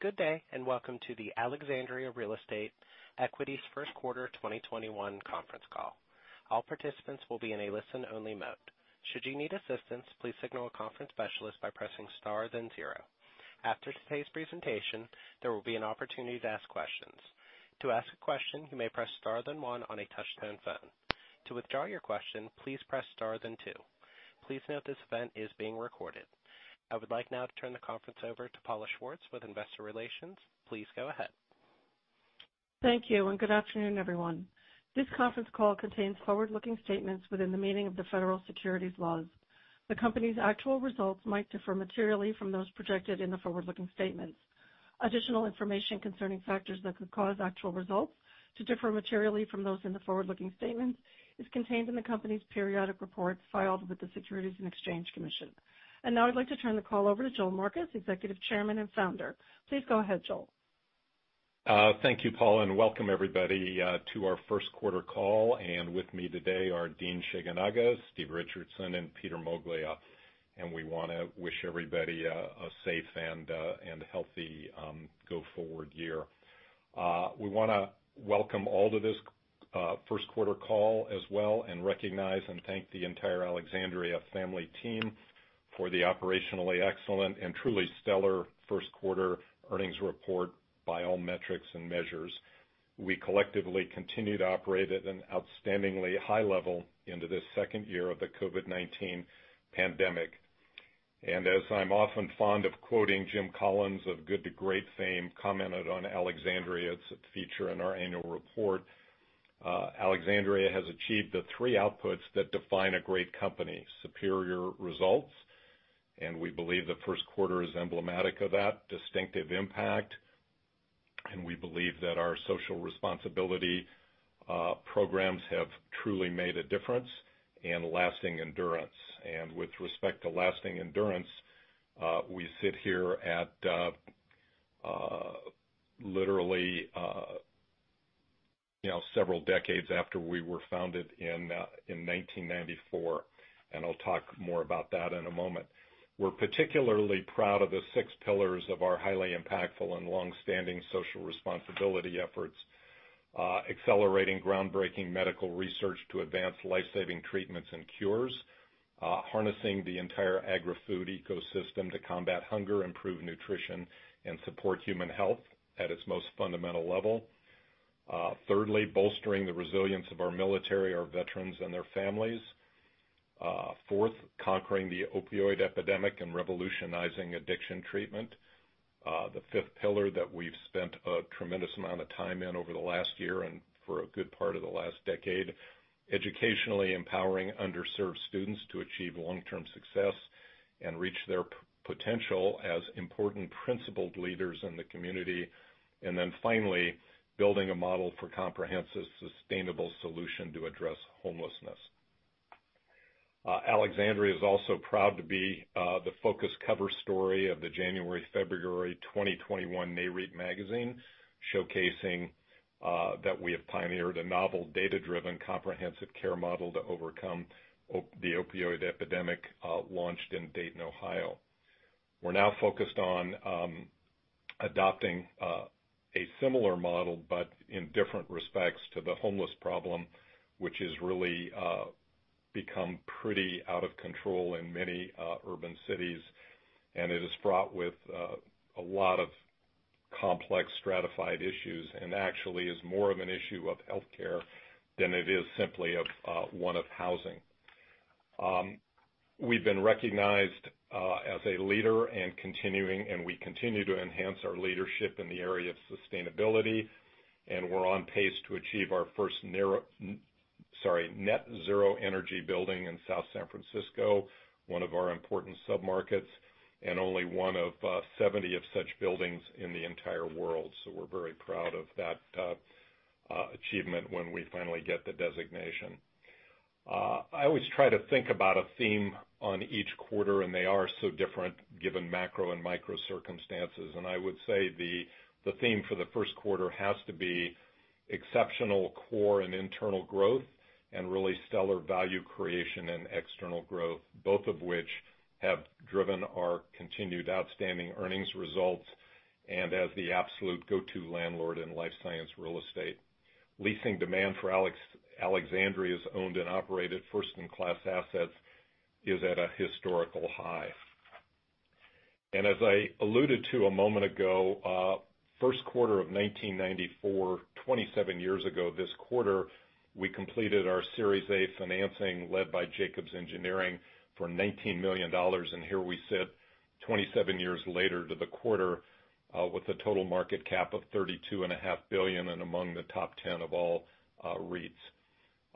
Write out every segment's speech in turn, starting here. Good day, welcome to the Alexandria Real Estate Equities first quarter 2021 conference call. All participants will be in a listen only mode. Should you need assistance, please signal a conference specialist by pressing star then zero. After today's presentation, there will be an opportunity to ask questions. To ask a question, you may press star then one on a touch-tone phone. To withdraw your question, please press star then two. Please note this event is being recorded. I would like now to turn the conference over to Paula Schwartz with investor relations. Please go ahead. Thank you, and good afternoon, everyone. This conference call contains forward-looking statements within the meaning of the federal securities laws. The company's actual results might differ materially from those projected in the forward-looking statements. Additional information concerning factors that could cause actual results to differ materially from those in the forward-looking statements is contained in the company's periodic reports filed with the Securities and Exchange Commission. Now I'd like to turn the call over to Joel Marcus, Executive Chairman and Founder. Please go ahead, Joel. Thank you, Paula, welcome everybody to our first quarter call. With me today are Dean Shigenaga, Stephen Richardson, and Peter Moglia. We want to wish everybody a safe and healthy go forward year. We want to welcome all to this first quarter call as well, and recognize and thank the entire Alexandria family team for the operationally excellent and truly stellar first quarter earnings report by all metrics and measures. We collectively continue to operate at an outstandingly high level into this second year of the COVID-19 pandemic. As I'm often fond of quoting Jim Collins of "Good to Great" fame, commented on Alexandria's feature in our annual report. Alexandria has achieved the three outputs that define a great company, superior results, and we believe the first quarter is emblematic of that distinctive impact. We believe that our social responsibility programs have truly made a difference in lasting endurance. With respect to lasting endurance, we sit here at literally several decades after we were founded in 1994, and I'll talk more about that in a moment. We're particularly proud of the six pillars of our highly impactful and longstanding social responsibility efforts, accelerating groundbreaking medical research to advance life-saving treatments and cures, harnessing the entire agri-food ecosystem to combat hunger, improve nutrition, and support human health at its most fundamental level. Thirdly, bolstering the resilience of our military, our veterans, and their families. Fourth, conquering the opioid epidemic and revolutionizing addiction treatment. The fifth pillar that we've spent a tremendous amount of time in over the last year and for a good part of the last decade, educationally empowering underserved students to achieve long-term success and reach their potential as important principled leaders in the community. Finally, building a model for comprehensive, sustainable solution to address homelessness. Alexandria is also proud to be the focus cover story of the January-February 2021 NAREIT magazine, showcasing that we have pioneered a novel, data-driven, comprehensive care model to overcome the opioid epidemic, launched in Dayton, Ohio. We're now focused on adopting a similar model, but in different respects to the homeless problem, which has really become pretty out of control in many urban cities. It is fraught with a lot of complex stratified issues, and actually is more of an issue of healthcare than it is simply of one of housing. We've been recognized as a leader. We continue to enhance our leadership in the area of sustainability. We're on pace to achieve our first net zero energy building in South San Francisco, one of our important sub-markets, and only one of 70 of such buildings in the entire world. We're very proud of that achievement when we finally get the designation. I always try to think about a theme on each quarter, and they are so different given macro and micro circumstances. I would say the theme for the first quarter has to be exceptional core and internal growth and really stellar value creation and external growth, both of which have driven our continued outstanding earnings results, and as the absolute go-to landlord in life science real estate. Leasing demand for Alexandria's owned and operated first in class assets is at a historical high. As I alluded to a moment ago, first quarter of 1994, 27 years ago this quarter, we completed our Series A financing led by Jacobs Engineering for $19 million. Here we sit 27 years later to the quarter with a total market cap of $32.5 billion, and among the top 10 of all REITs.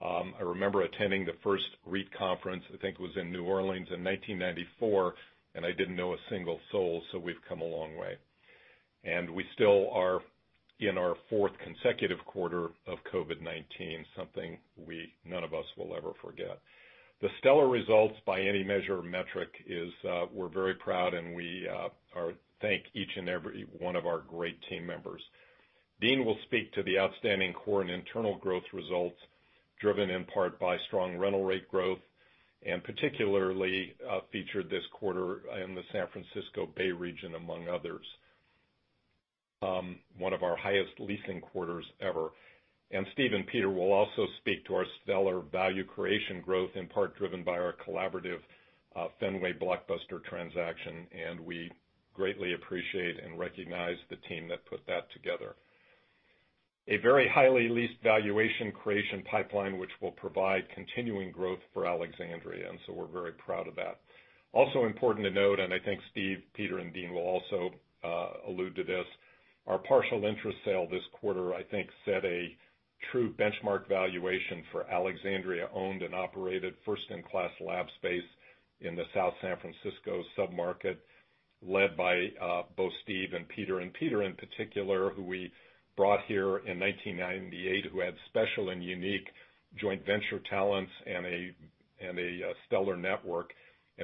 I remember attending the first REIT conference, I think it was in New Orleans in 1994, and I didn't know a single soul, so we've come a long way. We still are in our fourth consecutive quarter of COVID-19, something none of us will ever forget. The stellar results, by any measure or metric is we're very proud, and we thank each and every one of our great team members. Dean will speak to the outstanding core and internal growth results, driven in part by strong rental rate growth. Particularly, featured this quarter in the San Francisco Bay region, among others. One of our highest leasing quarters ever. Steve and Peter will also speak to our stellar value creation growth, in part driven by our collaborative Fenway blockbuster transaction, and we greatly appreciate and recognize the team that put that together. A very highly leased valuation creation pipeline, which will provide continuing growth for Alexandria. We're very proud of that. Also important to note, and I think Steve, Peter, and Dean will also allude to this, our partial interest sale this quarter, I think set a true benchmark valuation for Alexandria owned and operated first-in-class lab space in the South San Francisco sub-market, led by both Steve and Peter. Peter in particular, who we brought here in 1998, who had special and unique joint venture talents and a stellar network,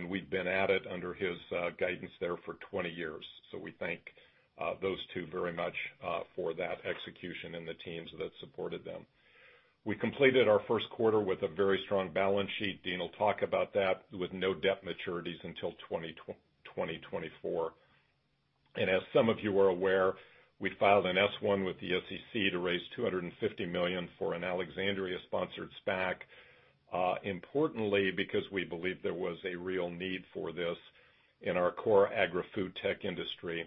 we've been at it under his guidance there for 20 years. We thank those two very much for that execution and the teams that supported them. We completed our first quarter with a very strong balance sheet, Dean will talk about that, with no debt maturities until 2024. As some of you are aware, we filed an S1 with the SEC to raise $250 million for an Alexandria sponsored SPAC. Importantly, because we believe there was a real need for this in our core agri-food tech industry,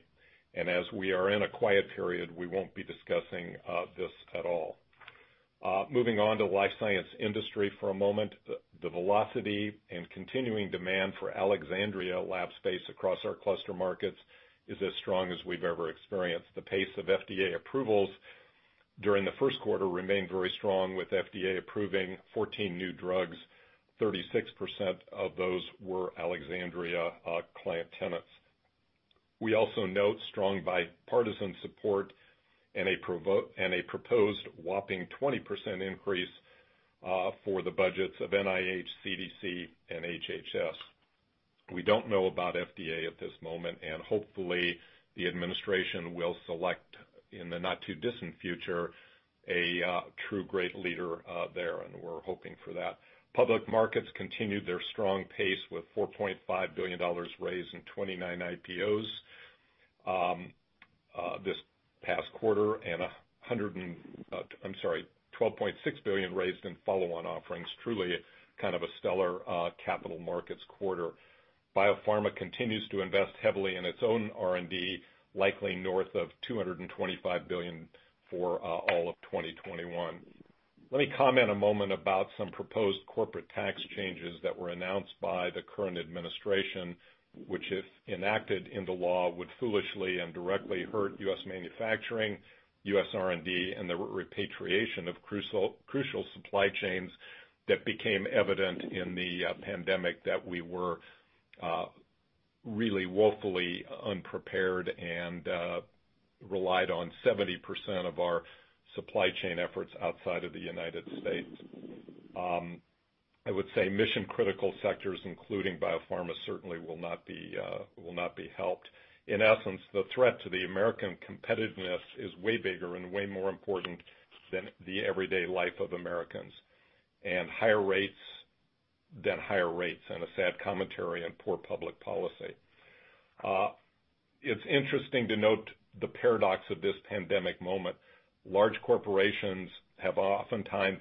and as we are in a quiet period, we won't be discussing this at all. Moving on to the life science industry for a moment. The velocity and continuing demand for Alexandria lab space across our cluster markets is as strong as we've ever experienced. The pace of FDA approvals during the first quarter remained very strong, with FDA approving 14 new drugs. 36% of those were Alexandria client tenants. We also note strong bipartisan support and a proposed whopping 20% increase for the budgets of NIH, CDC, and HHS. We don't know about FDA at this moment, and hopefully, the administration will select, in the not too distant future, a true great leader there, and we're hoping for that. Public markets continued their strong pace with $4.5 billion raised in 29 IPOs this past quarter, and $12.6 billion raised in follow-on offerings. Truly, kind of a stellar capital markets quarter. Biopharma continues to invest heavily in its own R&D, likely north of $225 billion for all of 2021. Let me comment a moment about some proposed corporate tax changes that were announced by the current administration, which if enacted into law, would foolishly and directly hurt U.S. manufacturing, U.S. R&D, and the repatriation of crucial supply chains that became evident in the pandemic that we were really woefully unprepared and relied on 70% of our supply chain efforts outside of the United States. I would say mission-critical sectors, including biopharma, certainly will not be helped. In essence, the threat to American competitiveness is way bigger and way more important than the everyday life of Americans, and higher rates than higher rates, and a sad commentary on poor public policy. It's interesting to note the paradox of this pandemic moment. Large corporations have oftentimes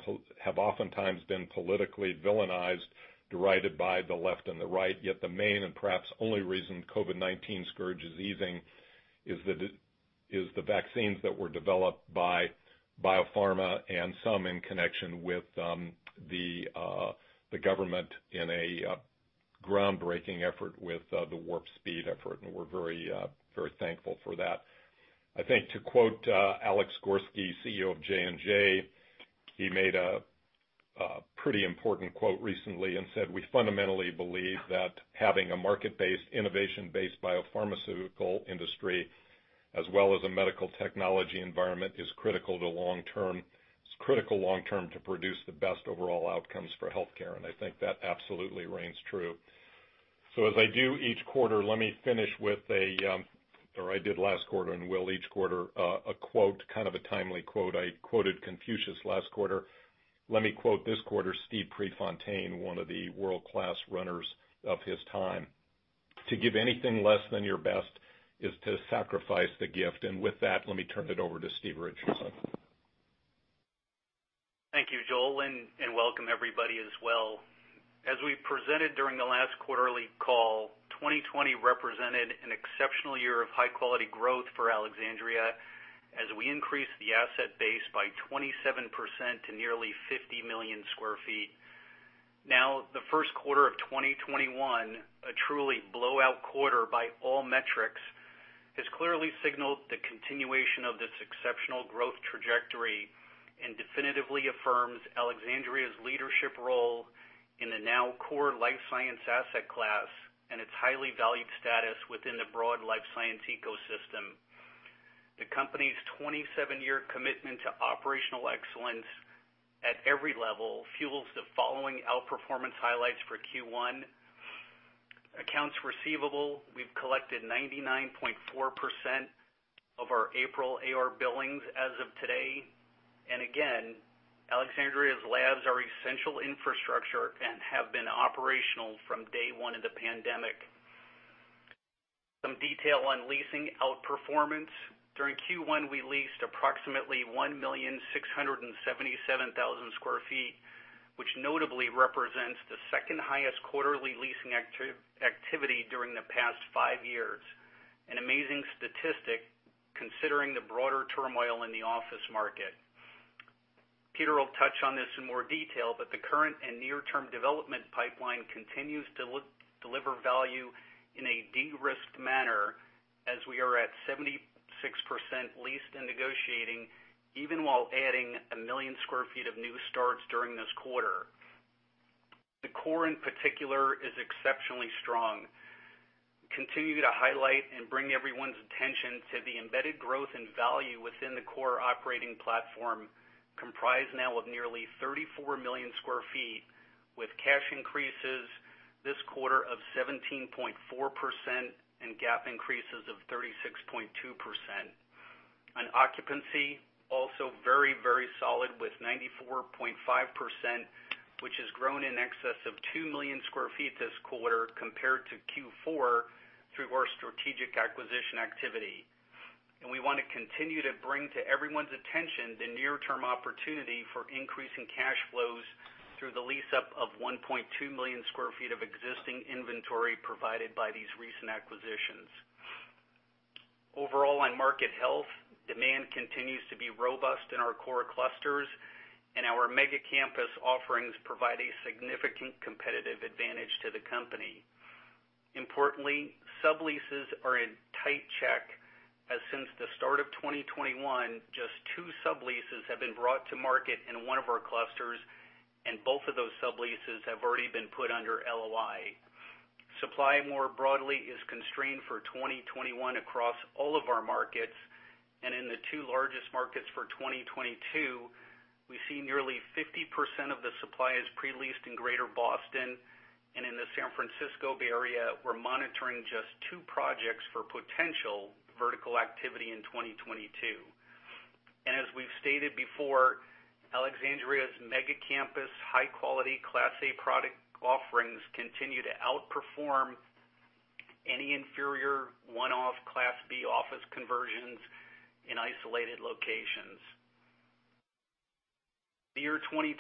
been politically villainized, derided by the left and the right. Yet the main and perhaps only reason COVID-19 scourge is easing is the vaccines that were developed by biopharma and some in connection with the government in a groundbreaking effort with the Operation Warp Speed effort. We're very thankful for that. I think to quote Alex Gorsky, CEO of J&J, he made a pretty important quote recently and said, "We fundamentally believe that having a market-based, innovation-based biopharmaceutical industry, as well as a medical technology environment, is critical long term to produce the best overall outcomes for healthcare." I think that absolutely rings true. As I do each quarter, let me finish with a, or I did last quarter and will each quarter, a quote, kind of a timely quote. I quoted Confucius last quarter. Let me quote this quarter, Steve Prefontaine, one of the world-class runners of his time. To give anything less than your best is to sacrifice the gift." With that, let me turn it over to Steve Richardson. Thank you, Joel. Welcome everybody as well. As we presented during the last quarterly call, 2020 represented an exceptional year of high-quality growth for Alexandria, as we increased the asset base by 27% to nearly 50 million sq ft. The first quarter of 2021, a truly blowout quarter by all metrics, has clearly signaled the continuation of this exceptional growth trajectory and definitively affirms Alexandria's leadership role in the now core life science asset class and its highly valued status within the broad life science ecosystem. The company's 27-year commitment to operational excellence at every level fuels the following outperformance highlights for Q1. Accounts receivable. We've collected 99.4% of our April AR billings as of today. Again, Alexandria's labs are essential infrastructure and have been operational from day one of the pandemic. Some detail on leasing outperformance. During Q1, we leased approximately 1,677,000 sq ft, which notably represents the second highest quarterly leasing activity during the past five years. An amazing statistic considering the broader turmoil in the office market. Peter will touch on this in more detail, but the current and near-term development pipeline continues to deliver value in a de-risked manner as we are at 76% leased and negotiating, even while adding 1 million sq ft of new starts during this quarter. The core, in particular, is exceptionally strong. Continue to highlight and bring everyone's attention to the embedded growth and value within the core operating platform, comprised now of nearly 34 million sq ft, with cash increases this quarter of 17.4% and GAAP increases of 36.2%. On occupancy, also very solid with 94.5%, which has grown in excess of 2 million sq ft this quarter compared to Q4 through our strategic acquisition activity. We want to continue to bring to everyone's attention the near-term opportunity for increasing cash flows through the lease-up of 1.2 million sq ft of existing inventory provided by these recent acquisitions. Overall on market health, demand continues to be robust in our core clusters, and our mega-campus offerings provide a significant competitive advantage to the company. Importantly, subleases are in tight check as since the start of 2021, just two subleases have been brought to market in one of our clusters, and both of those subleases have already been put under LOI. Supply more broadly is constrained for 2021 across all of our markets. In the two largest markets for 2022, we see nearly 50% of the supply is pre-leased in greater Boston. In the San Francisco Bay Area, we're monitoring just two projects for potential vertical activity in 2022. As we've stated before, Alexandria's mega campus, high quality Class A product offerings continue to outperform any inferior one-off Class B office conversions in isolated locations. The year 2020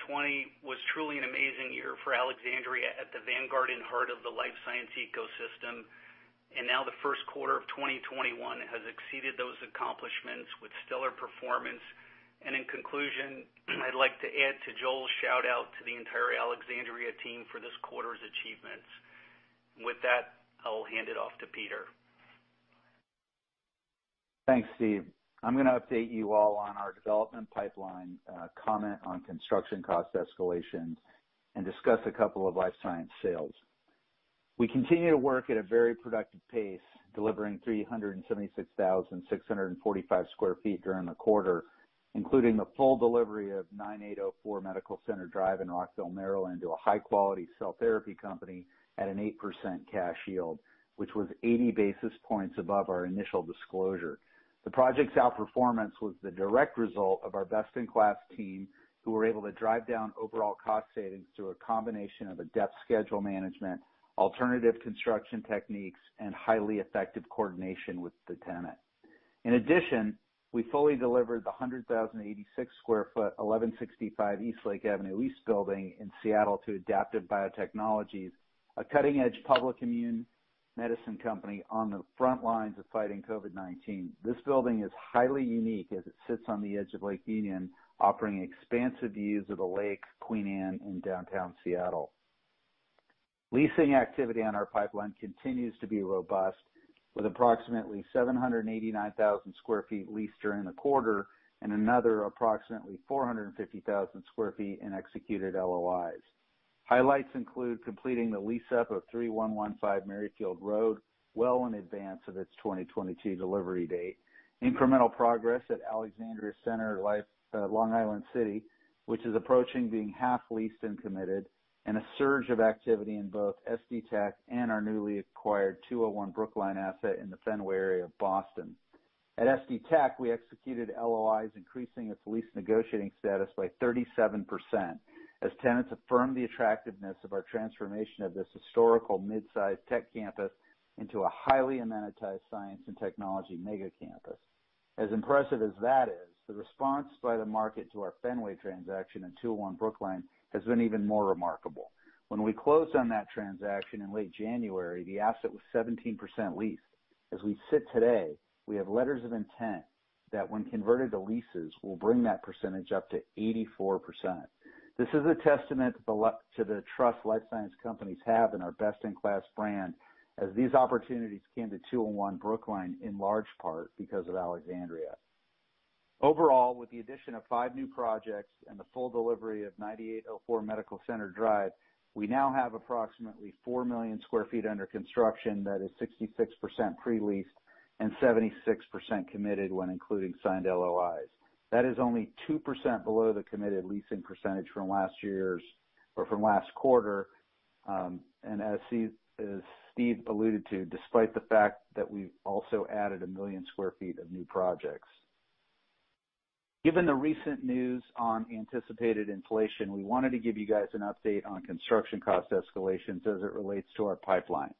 was truly an amazing year for Alexandria at the vanguard and heart of the life science ecosystem. Now the first quarter of 2021 has exceeded those accomplishments with stellar performance. In conclusion, I'd like to add to Joel's shout-out to the entire Alexandria team for this quarter's achievements. With that, I will hand it off to Peter. Thanks, Steve. I'm going to update you all on our development pipeline, comment on construction cost escalation, and discuss a couple of life science sales. We continue to work at a very productive pace, delivering 376,645 sq ft during the quarter, including the full delivery of 9804 Medical Center Drive in Rockville, Maryland to a high-quality cell therapy company at an 8% cash yield, which was 80 basis points above our initial disclosure. The project's outperformance was the direct result of our best-in-class team, who were able to drive down overall cost savings through a combination of a depth schedule management, alternative construction techniques, and highly effective coordination with the tenant. In addition, we fully delivered the 100,086 sq ft 1165 Eastlake Avenue East lease building in Seattle to Adaptive Biotechnologies, a cutting-edge public immune medicine company on the front lines of fighting COVID-19. This building is highly unique as it sits on the edge of Lake Union, offering expansive views of the lake, Queen Anne, and downtown Seattle. Leasing activity on our pipeline continues to be robust, with approximately 789,000 square feet leased during the quarter and another approximately 450,000 square feet in executed LOIs. Highlights include completing the lease-up of 3115 Merryfield Row well in advance of its 2022 delivery date. Incremental progress at Alexandria Center Long Island City, which is approaching being half leased and committed, and a surge of activity in both SD Tech and our newly acquired 201 Brookline asset in the Fenway area of Boston. At SD Tech, we executed LOIs increasing its lease negotiating status by 37%, as tenants affirm the attractiveness of our transformation of this historical mid-size tech campus into a highly amenitized science and technology mega campus. As impressive as that is, the response by the market to our Fenway transaction in 201 Brookline has been even more remarkable. When we closed on that transaction in late January, the asset was 17% leased. As we sit today, we have letters of intent that when converted to leases, will bring that percentage up to 84%. This is a testament to the trust life science companies have in our best-in-class brand, as these opportunities came to 201 Brookline in large part because of Alexandria. Overall, with the addition of five new projects and the full delivery of 9804 Medical Center Drive, we now have approximately 4 million sq ft under construction that is 66% pre-leased and 76% committed when including signed LOIs. That is only 2% below the committed leasing percentage from last quarter. As Steve alluded to, despite the fact that we've also added a million square feet of new projects. Given the recent news on anticipated inflation, we wanted to give you guys an update on construction cost escalations as it relates to our pipeline.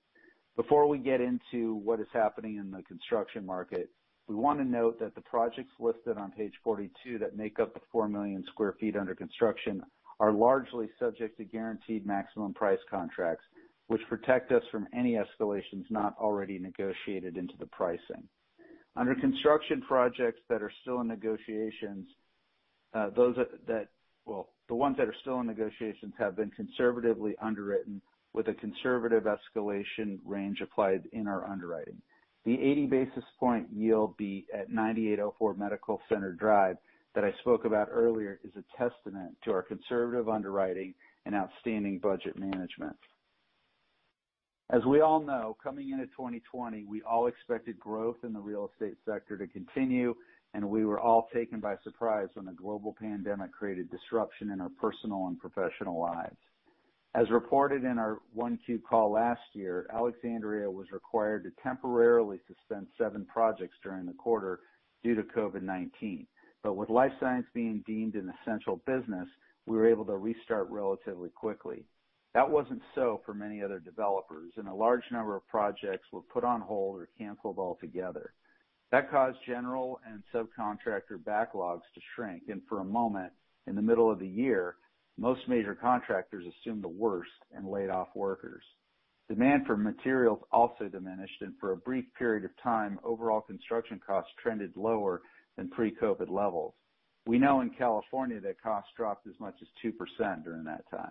Before we get into what is happening in the construction market, we want to note that the projects listed on page 42 that make up the 4 million square feet under construction are largely subject to guaranteed maximum price contracts, which protect us from any escalations not already negotiated into the pricing. Under construction projects that are still in negotiations, the ones that are still in negotiations have been conservatively underwritten with a conservative escalation range applied in our underwriting. The 80 basis point yield be at 9804 Medical Center Drive that I spoke about earlier is a testament to our conservative underwriting and outstanding budget management. As we all know, coming into 2020, we all expected growth in the real estate sector to continue, and we were all taken by surprise when a global pandemic created disruption in our personal and professional lives. As reported in our 1Q call last year, Alexandria was required to temporarily suspend seven projects during the quarter due to COVID-19. With life science being deemed an essential business, we were able to restart relatively quickly. That wasn't so for many other developers, and a large number of projects were put on hold or canceled altogether. That caused general and subcontractor backlogs to shrink, and for a moment in the middle of the year, most major contractors assumed the worst and laid off workers. Demand for materials also diminished. For a brief period of time, overall construction costs trended lower than pre-COVID-19 levels. We know in California that costs dropped as much as 2% during that time.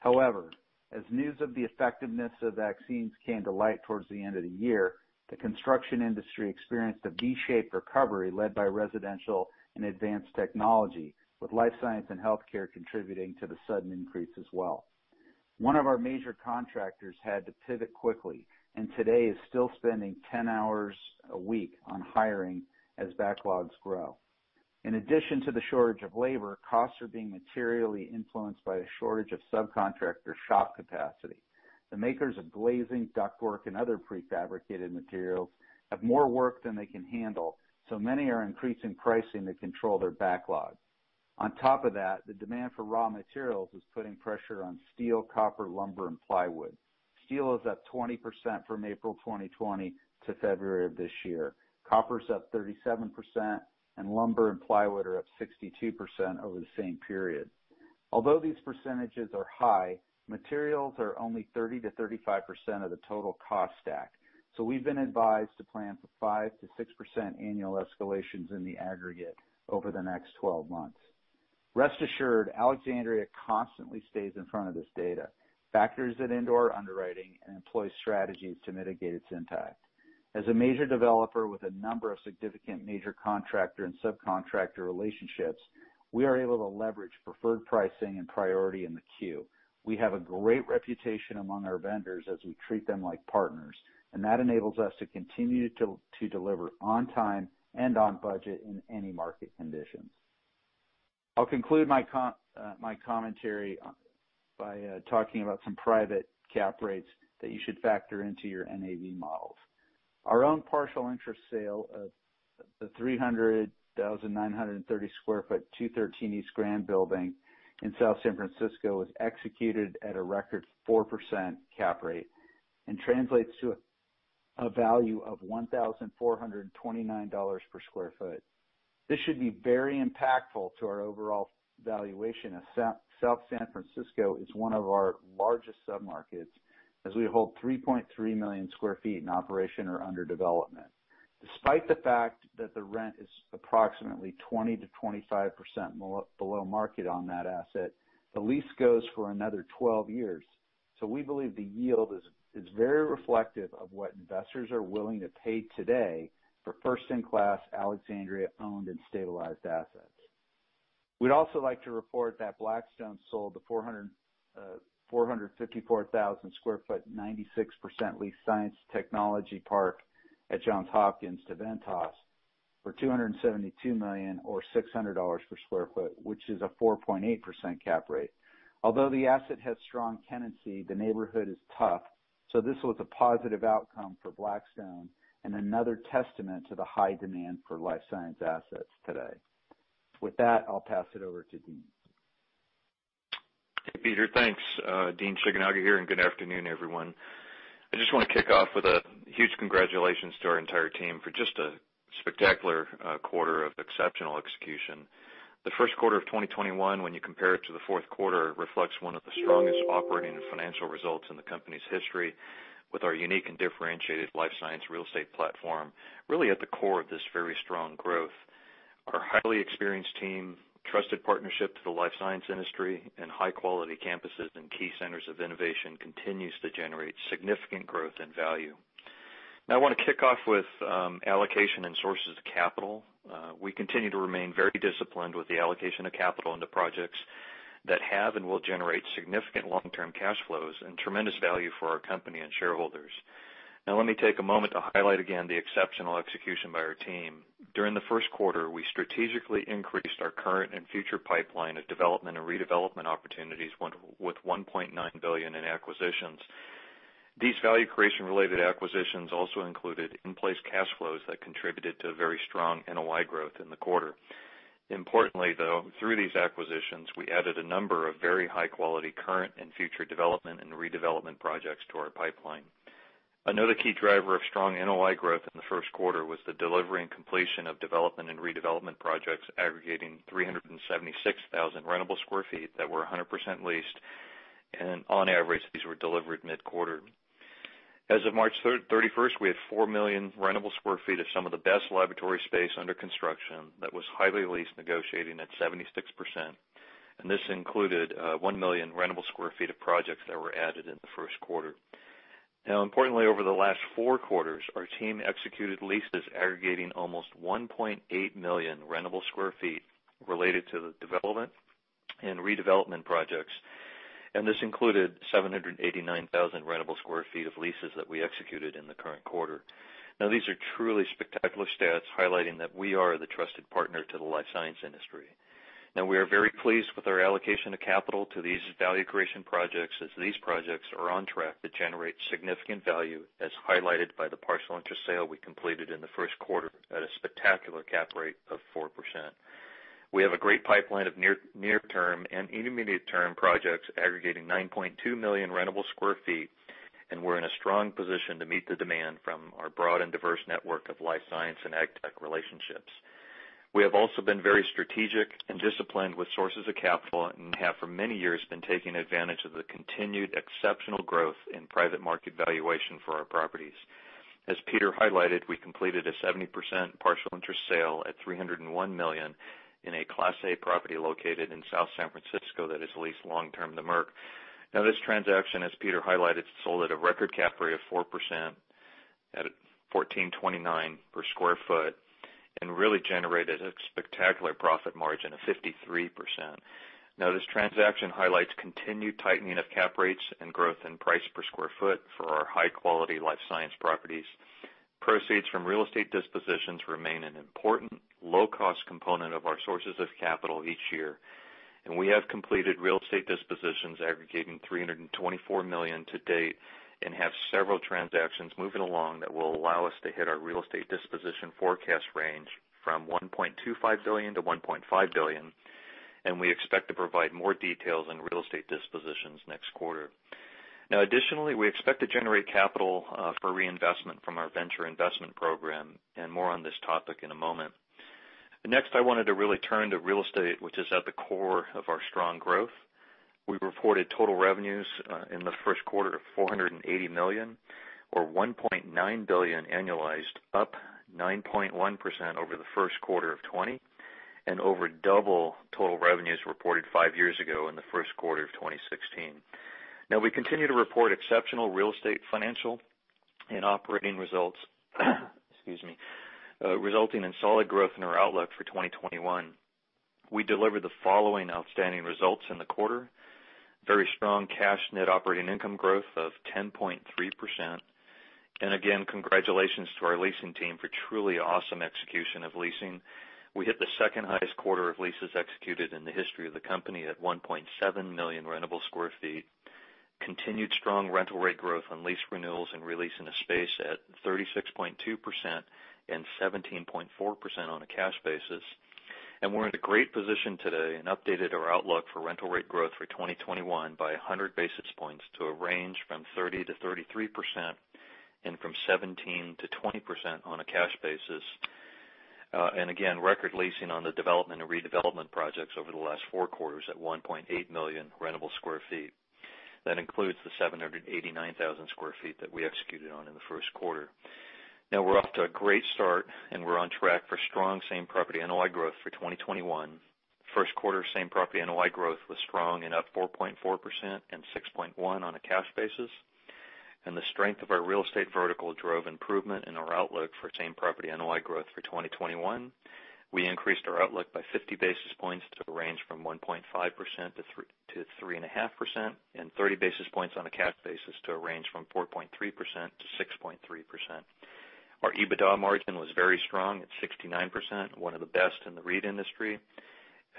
However, as news of the effectiveness of vaccines came to light towards the end of the year, the construction industry experienced a V-shaped recovery led by residential and advanced technology, with life science and healthcare contributing to the sudden increase as well. One of our major contractors had to pivot quickly. Today is still spending 10 hours a week on hiring as backlogs grow. In addition to the shortage of labor, costs are being materially influenced by a shortage of subcontractor shop capacity. The makers of glazing, duct work, and other prefabricated materials have more work than they can handle. Many are increasing pricing to control their backlog. On top of that, the demand for raw materials is putting pressure on steel, copper, lumber, and plywood. Steel is up 20% from April 2020 to February of this year. Copper's up 37%, lumber and plywood are up 62% over the same period. Although these percentages are high, materials are only 30%-35% of the total cost stack. We've been advised to plan for 5%-6% annual escalations in the aggregate over the next 12 months. Rest assured, Alexandria constantly stays in front of this data, factors it into our underwriting, and employs strategies to mitigate its impact. As a major developer with a number of significant major contractor and subcontractor relationships, we are able to leverage preferred pricing and priority in the queue. We have a great reputation among our vendors as we treat them like partners. That enables us to continue to deliver on time and on budget in any market condition. I'll conclude my commentary by talking about some private cap rates that you should factor into your NAV models. Our own partial interest sale of the 300,930 sq ft, 213 East Grand building in South San Francisco was executed at a record 4% cap rate and translates to a value of $1,429/sq ft. This should be very impactful to our overall valuation as South San Francisco is one of our largest sub-markets as we hold 3.3 million sq ft in operation or under development. Despite the fact that the rent is approximately 20%-25% below market on that asset, the lease goes for another 12 years. We believe the yield is very reflective of what investors are willing to pay today for first-in-class Alexandria owned and stabilized assets. We'd also like to report that Blackstone sold the 454,000 sq ft, 96% leased science technology park at Johns Hopkins to Ventas for $272 million or $600 per sq ft, which is a 4.8% cap rate. Although the asset has strong tenancy, the neighborhood is tough, this was a positive outcome for Blackstone and another testament to the high demand for life science assets today. With that, I'll pass it over to Dean. Peter, thanks. Dean Shigenaga here, and good afternoon, everyone. I just want to kick off with a huge congratulations to our entire team for just a spectacular quarter of exceptional execution. The first quarter of 2021, when you compare it to the fourth quarter, reflects one of the strongest operating and financial results in the company's history with our unique and differentiated life science real estate platform really at the core of this very strong growth. Our highly experienced team, trusted partnership to the life science industry, and high-quality campuses in key centers of innovation continues to generate significant growth and value. Now I want to kick off with allocation and sources of capital. We continue to remain very disciplined with the allocation of capital into projects that have and will generate significant long-term cash flows and tremendous value for our company and shareholders. Let me take a moment to highlight again the exceptional execution by our team. During the first quarter, we strategically increased our current and future pipeline of development and redevelopment opportunities with $1.9 billion in acquisitions. These value creation related acquisitions also included in-place cash flows that contributed to very strong NOI growth in the quarter. Importantly, though, through these acquisitions, we added a number of very high-quality current and future development and redevelopment projects to our pipeline. Another key driver of strong NOI growth in the first quarter was the delivery and completion of development and redevelopment projects aggregating 376,000 rentable sq ft that were 100% leased, and on average, these were delivered mid-quarter. As of March 31st, we have 4 million rentable sq ft of some of the best laboratory space under construction that was highly leased, negotiating at 76%, and this included 1 million rentable sq ft of projects that were added in the first quarter. Now, importantly, over the last four quarters, our team executed leases aggregating almost 1.8 million rentable sq ft related to the development and redevelopment projects, and this included 789,000 rentable sq ft of leases that we executed in the current quarter. Now these are truly spectacular stats highlighting that we are the trusted partner to the life science industry. Now we are very pleased with our allocation of capital to these value creation projects, as these projects are on track to generate significant value, as highlighted by the partial interest sale we completed in the first quarter at a spectacular cap rate of 4%. We have a great pipeline of near term and intermediate term projects aggregating 9.2 million rentable sq ft, and we're in a strong position to meet the demand from our broad and diverse network of life science and ag tech relationships. We have also been very strategic and disciplined with sources of capital, and have for many years been taking advantage of the continued exceptional growth in private market valuation for our properties. As Peter highlighted, we completed a 70% partial interest sale at $301 million in a Class A property located in South San Francisco that is leased long-term to Merck. This transaction, as Peter highlighted, sold at a record cap rate of 4% at $1429 per square foot and really generated a spectacular profit margin of 53%. This transaction highlights continued tightening of cap rates and growth in price per square foot for our high-quality life science properties. Proceeds from real estate dispositions remain an important low-cost component of our sources of capital each year, and we have completed real estate dispositions aggregating $324 million to date and have several transactions moving along that will allow us to hit our real estate disposition forecast range from $1.25 billion-$1.5 billion, and we expect to provide more details on real estate dispositions next quarter. Additionally, we expect to generate capital for reinvestment from our venture investment program, and more on this topic in a moment. Next, I wanted to really turn to real estate, which is at the core of our strong growth. We reported total revenues in the first quarter of $480 million, or $1.9 billion annualized, up 9.1% over the first quarter of 2020 and over double total revenues reported five years ago in the first quarter of 2016. Now we continue to report exceptional real estate financial and operating results, excuse me, resulting in solid growth in our outlook for 2021. We delivered the following outstanding results in the quarter. Very strong cash net operating income growth of 10.3%. Again, congratulations to our leasing team for truly awesome execution of leasing. We hit the second highest quarter of leases executed in the history of the company at 1.7 million rentable sq ft. Continued strong rental rate growth on lease renewals and release in the space at 36.2% and 17.4% on a cash basis. We're in a great position today and updated our outlook for rental rate growth for 2021 by 100 basis points to a range from 30%-33%, and from 17%-20% on a cash basis. Again, record leasing on the development and redevelopment projects over the last four quarters at 1.8 million rentable sq ft. That includes the 789,000 sq ft that we executed on in the first quarter. Now we're off to a great start, and we're on track for strong same-property NOI growth for 2021. First quarter same-property NOI growth was strong and up 4.4% and 6.1% on a cash basis. The strength of our real estate vertical drove improvement in our outlook for same-property NOI growth for 2021. We increased our outlook by 50 basis points to range from 1.5%-3.5%, and 30 basis points on a cash basis to a range from 4.3%-6.3%. Our EBITDA margin was very strong at 69%, one of the best in the REIT industry.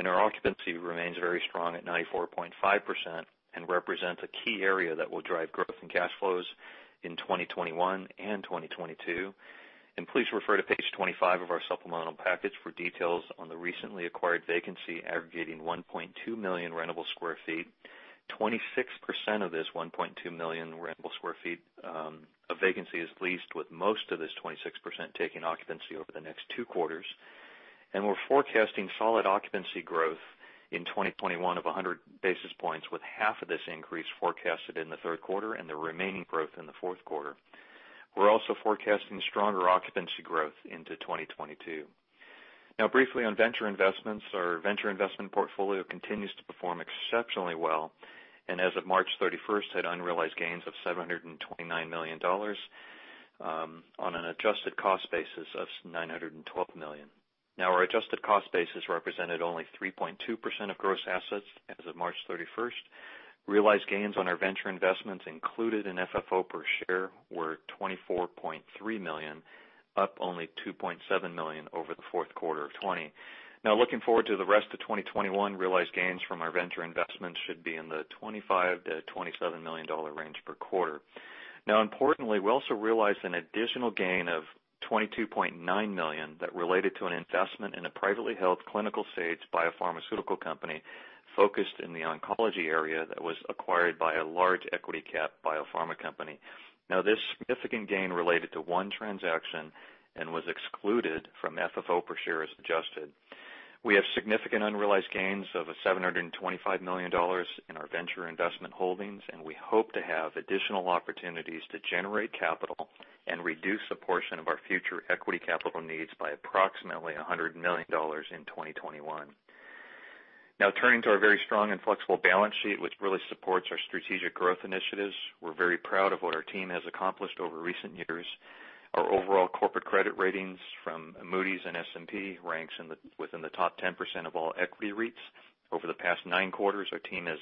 Our occupancy remains very strong at 94.5% and represents a key area that will drive growth in cash flows in 2021 and 2022. Please refer to page 25 of our supplemental package for details on the recently acquired vacancy aggregating 1.2 million rentable sq ft. 26% of this 1.2 million rentable sq ft of vacancy is leased, with most of this 26% taking occupancy over the next two quarters. We're forecasting solid occupancy growth in 2021 of 100 basis points, with half of this increase forecasted in the third quarter and the remaining growth in the fourth quarter. We're also forecasting stronger occupancy growth into 2022. Briefly on venture investments. Our venture investment portfolio continues to perform exceptionally well, and as of March 31st, had unrealized gains of $729 million on an adjusted cost basis of $912 million. Our adjusted cost base has represented only 3.2% of gross assets as of March 31st. Realized gains on our venture investments included in FFO per share were $24.3 million, up only $2.7 million over the fourth quarter of 2020. Looking forward to the rest of 2021, realized gains from our venture investments should be in the $25 million-$27 million range per quarter. Importantly, we also realized an additional gain of $22.9 million that related to an investment in a privately held clinical-stage biopharmaceutical company focused in the oncology area that was acquired by a large equity cap biopharma company. Now, this significant gain related to one transaction and was excluded from FFO per share as adjusted. We have significant unrealized gains of $725 million in our venture investment holdings, and we hope to have additional opportunities to generate capital and reduce a portion of our future equity capital needs by approximately $100 million in 2021. Now turning to our very strong and flexible balance sheet, which really supports our strategic growth initiatives. We're very proud of what our team has accomplished over recent years. Our overall corporate credit ratings from Moody's and S&P ranks within the top 10% of all equity REITs. Over the past nine quarters, our team has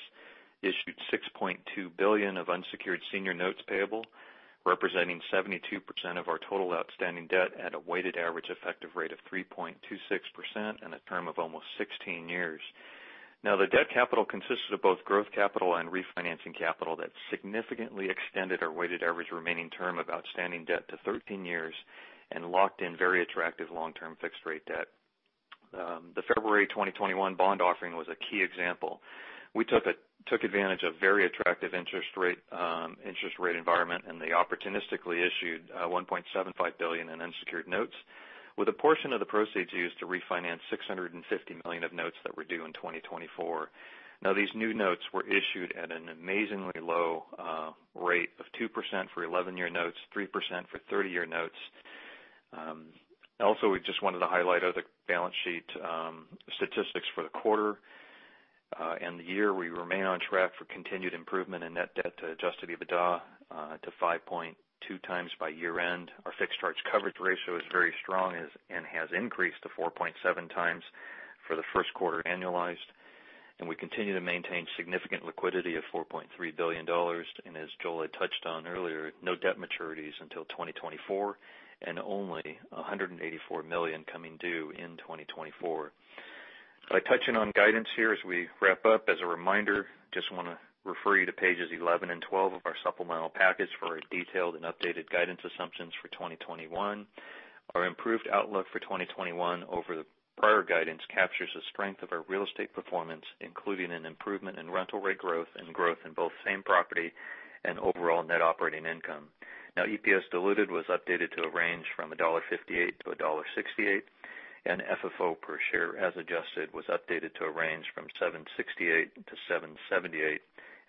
issued $6.2 billion of unsecured senior notes payable, representing 72% of our total outstanding debt at a weighted average effective rate of 3.26% and a term of almost 16 years. The debt capital consisted of both growth capital and refinancing capital that significantly extended our weighted average remaining term of outstanding debt to 13 years and locked in very attractive long-term fixed rate debt. The February 2021 bond offering was a key example. We took advantage of very attractive interest rate environment and they opportunistically issued $1.75 billion in unsecured notes with a portion of the proceeds used to refinance $650 million of notes that were due in 2024. These new notes were issued at an amazingly low rate of 2% for 11-year notes, 3% for 30-year notes. We just wanted to highlight other balance sheet statistics for the quarter and the year. We remain on track for continued improvement in net debt to adjusted EBITDA to 5.2x by year end. Our fixed charge coverage ratio is very strong and has increased to 4.7x for the first quarter annualized. We continue to maintain significant liquidity of $4.3 billion. As Joel had touched on earlier, no debt maturities until 2024, and only $184 million coming due in 2024. By touching on guidance here as we wrap up, as a reminder, just want to refer you to pages 11 and 12 of our supplemental package for our detailed and updated guidance assumptions for 2021. Our improved outlook for 2021 over the prior guidance captures the strength of our real estate performance, including an improvement in rental rate growth and growth in both same property and overall Net Operating Income. EPS diluted was updated to a range from $1.58-$1.68, and FFO per share as adjusted was updated to a range from $7.68-$7.78,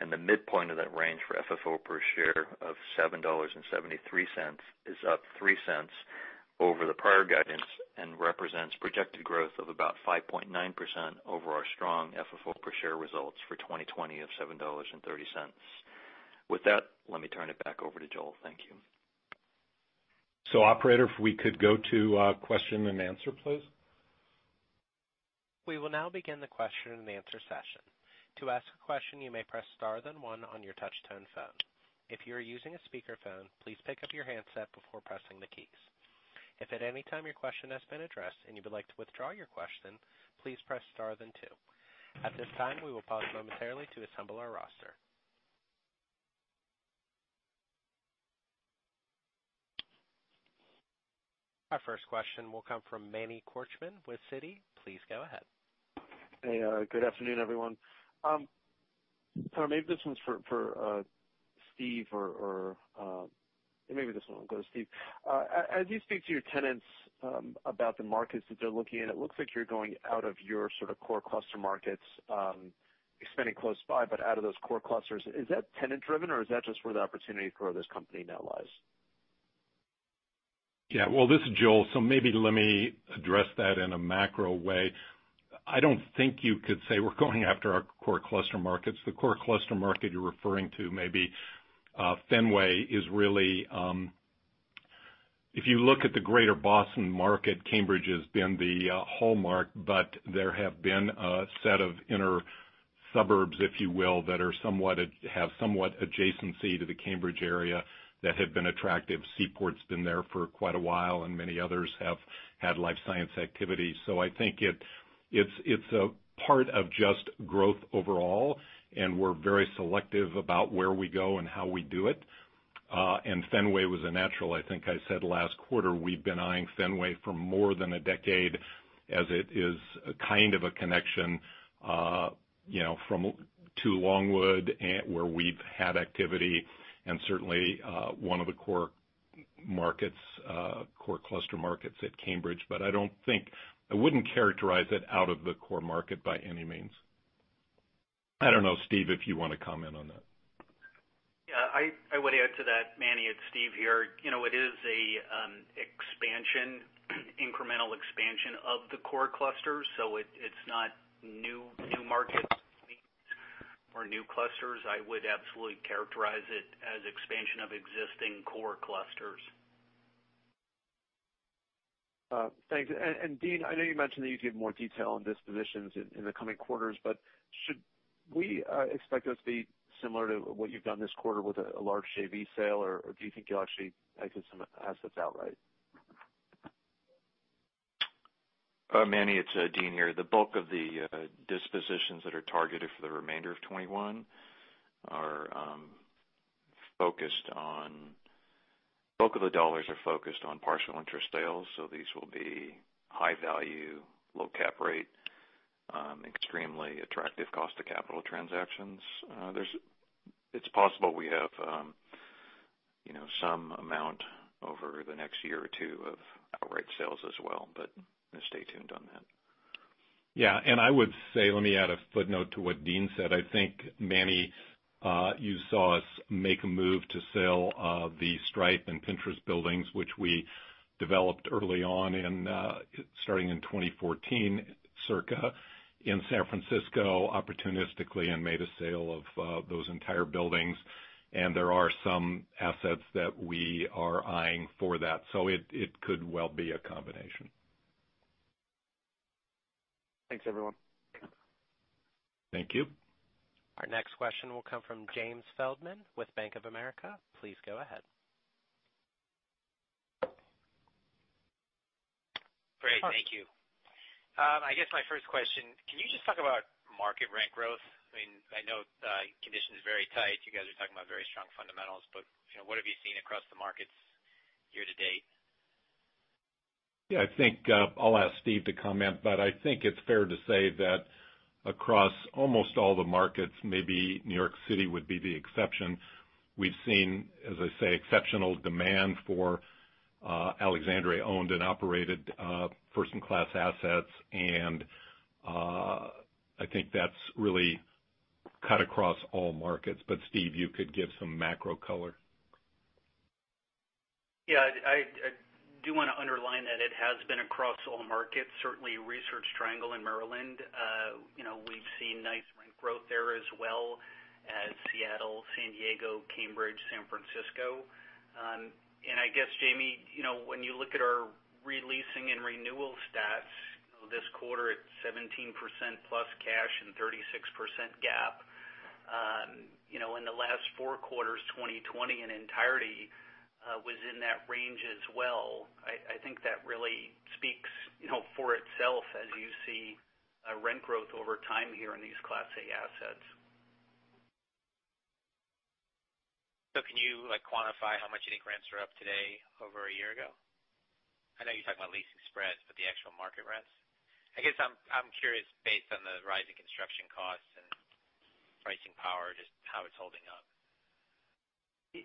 and the midpoint of that range for FFO per share of $7.73 is up $0.03 over the prior guidance and represents projected growth of about 5.9% over our strong FFO per share results for 2020 of $7.30. With that, let me turn it back over to Joel. Thank you. Operator, if we could go to question and answer, please. We will now begin the question and answer session. Our first question will come from Manny Korchman with Citi. Please go ahead. Hey, good afternoon, everyone. Sorry, maybe this one's for Steve or maybe this one will go to Steve. As you speak to your tenants about the markets that they're looking in, it looks like you're going out of your sort of core cluster markets, expanding close by, but out of those core clusters. Is that tenant driven or is that just where the opportunity for this company now lies? Yeah. Well, this is Joel. Maybe let me address that in a macro way. I don't think you could say we're going after our core cluster markets. The core cluster market you're referring to maybe Fenway is really, if you look at the greater Boston market, Cambridge has been the hallmark. There have been a set of inner suburbs, if you will, that have somewhat adjacency to the Cambridge area that have been attractive. Seaport's been there for quite a while. Many others have had life science activity. I think it's a part of just growth overall. We're very selective about where we go and how we do it. Fenway was a natural. I think I said last quarter, we've been eyeing Fenway for more than a decade as it is kind of a connection to Longwood, where we've had activity and certainly one of the core cluster markets at Cambridge. I wouldn't characterize it out of the core market by any means. I don't know, Steve, if you want to comment on that. Yeah, I would add to that, Manny. It's Steve here. It is an incremental expansion of the core cluster. It's not new markets or new clusters. I would absolutely characterize it as expansion of existing core clusters. Thanks. Dean, I know you mentioned that you'd give more detail on dispositions in the coming quarters, but should we expect those to be similar to what you've done this quarter with a large JV sale, or do you think you'll actually take some assets outright? Manny, it's Dean here. The bulk of the dispositions that are targeted for the remainder of 2021, the bulk of the dollars are focused on partial interest sales, so these will be high value, low cap rate, extremely attractive cost to capital transactions. It's possible we have some amount over the next year or two of outright sales as well. Stay tuned on that. Yeah. I would say, let me add a footnote to what Dean said. I think, Manny, you saw us make a move to sell the Stripe and Pinterest buildings, which we developed early on starting in 2014, circa, in San Francisco, opportunistically, and made a sale of those entire buildings. There are some assets that we are eyeing for that. It could well be a combination. Thanks, everyone. Thank you. Our next question will come from James Feldman with Bank of America. Please go ahead. Great. Thank you. I guess my first question, can you just talk about market rent growth? I know condition is very tight. You guys are talking about very strong fundamentals, but what have you seen across the markets year to date? Yeah, I think I'll ask Steve to comment, but I think it's fair to say that across almost all the markets, maybe New York City would be the exception. We've seen, as I say, exceptional demand for Alexandria owned and operated first-in-class assets. I think that's really cut across all markets. Steve, you could give some macro color. Yeah. I do want to underline that it has been across all markets. Certainly Research Triangle in Maryland. We've seen nice rent growth there as well as Seattle, San Diego, Cambridge, San Francisco. I guess, Jamie, when you look at our re-leasing and renewal stats this quarter at 17% plus cash and 36% GAAP. In the last four quarters, 2020 in entirety was in that range as well. I think that really speaks for itself as you see rent growth over time here in these Class A assets. Can you quantify how much you think rents are up today over a year ago? I know you talked about leasing spreads, but the actual market rents. I guess I'm curious based on the rising construction costs and pricing power, just how it's holding up.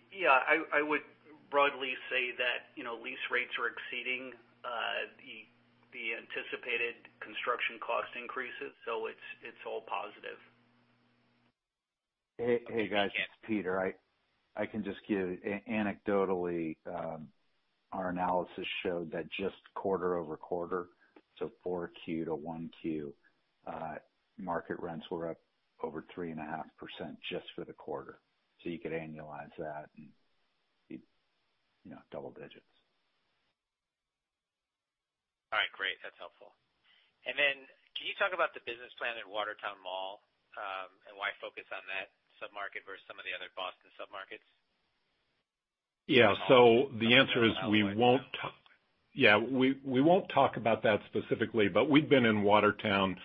Yeah. I would broadly say that lease rates are exceeding the anticipated construction cost increases, so it's all positive. Hey, guys, it's Peter. I can just give you anecdotally, our analysis showed that just quarter-over-quarter, so 4Q to 1Q, market rents were up over 3.5% just for the quarter. You could annualize that and double digits. All right, great. That's helpful. Can you talk about the business plan at Watertown Mall, and why focus on that sub-market versus some of the other Boston sub-markets? The answer is we won't talk about that specifically, but we've been in Watertown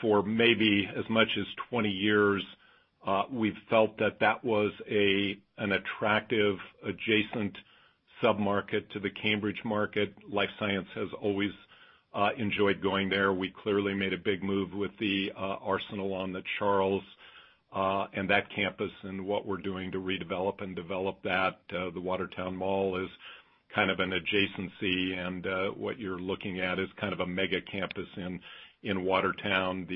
for maybe as much as 20 years. We've felt that that was an attractive adjacent sub-market to the Cambridge market. Life science has always enjoyed going there. We clearly made a big move with the Arsenal on the Charles and that campus and what we're doing to redevelop and develop that. The Watertown Mall is kind of an adjacency, and what you're looking at is kind of a mega campus in Watertown.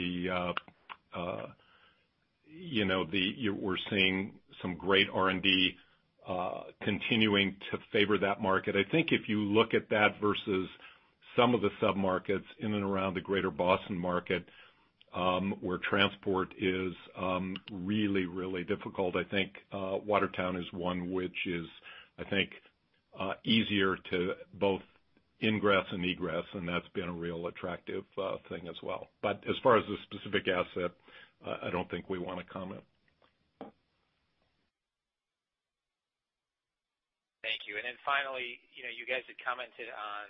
We're seeing some great R&D continuing to favor that market. I think if you look at that versus some of the sub-markets in and around the greater Boston market, where transport is really, really difficult, I think Watertown is one which is, I think, easier to both ingress and egress, and that's been a real attractive thing as well. As far as the specific asset, I don't think we want to comment. Thank you. Finally, you guys had commented on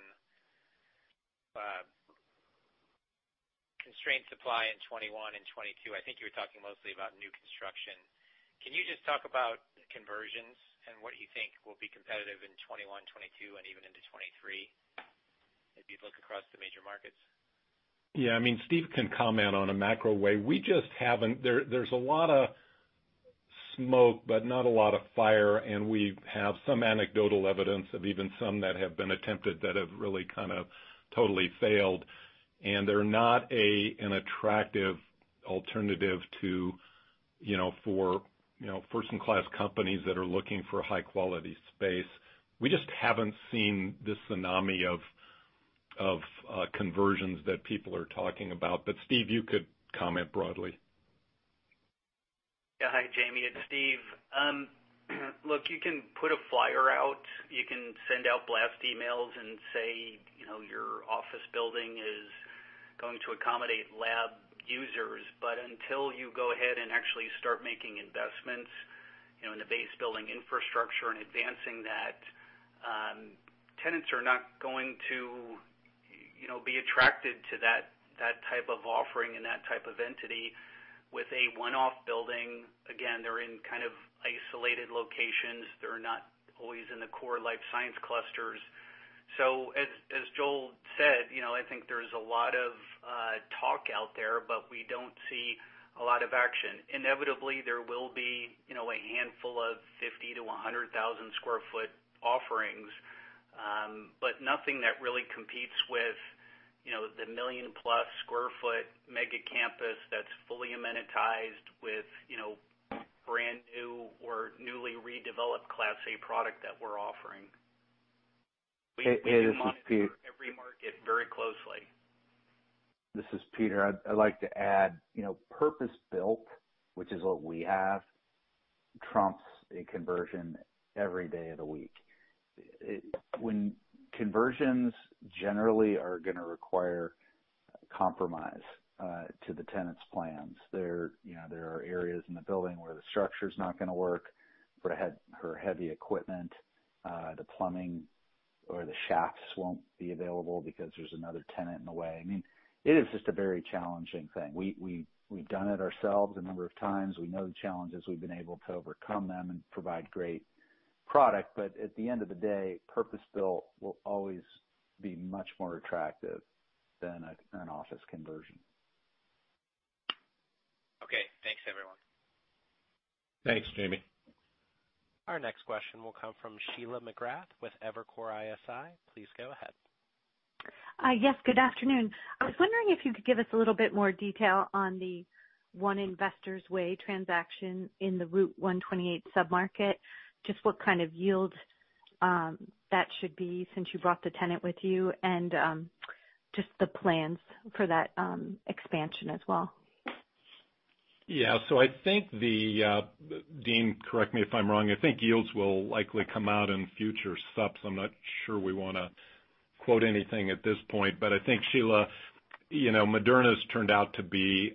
constrained supply in 2021 and 2022. I think you were talking mostly about new construction. Can you just talk about conversions and what you think will be competitive in 2021, 2022, and even into 2023 as you look across the major markets? Yeah. Steve can comment on a macro way. There's a lot of smoke but not a lot of fire, and we have some anecdotal evidence of even some that have been attempted that have really kind of totally failed, and they're not an attractive alternative for first-class companies that are looking for high quality space. We just haven't seen this tsunami of conversions that people are talking about. Steve, you could comment broadly. Yeah. Hi, Jamie. It's Steve. You can put a flyer out, you can send out blast emails and say, your office building is going to accommodate lab users. Until you go ahead and actually start making investments in the base building infrastructure and advancing that, tenants are not going to be attracted to that type of offering and that type of entity with a one-off building. They're in kind of isolated locations. They're not always in the core life science clusters. As Joel said, I think there's a lot of talk out there, but we don't see a lot of action. Inevitably, there will be a handful of 50,000 sq ft-100,000 sq ft offerings. Nothing that really competes with the million-plus square foot mega campus that's fully amenitized with brand new or newly redeveloped Class A product that we're offering. It is- We do monitor every market very closely. This is Peter. I'd like to add. Purpose-built, which is what we have, trumps a conversion every day of the week. When conversions generally are going to require compromise to the tenant's plans. There are areas in the building where the structure's not going to work for heavy equipment. The plumbing or the shafts won't be available because there's another tenant in the way. It is just a very challenging thing. We've done it ourselves a number of times. We know the challenges. We've been able to overcome them and provide great product. At the end of the day, purpose-built will always be much more attractive than an office conversion. Okay, thanks everyone. Thanks, Jamie. Our next question will come from Sheila McGrath with Evercore ISI. Please go ahead. Yes, good afternoon. I was wondering if you could give us a little bit more detail on the One Investors Way transaction in the Route 128 sub-market. Just what kind of yield that should be since you brought the tenant with you, and just the plans for that expansion as well. Yeah. I think the Dean, correct me if I'm wrong. I think yields will likely come out in future subs. I'm not sure we want to quote anything at this point. I think, Sheila, Moderna's turned out to be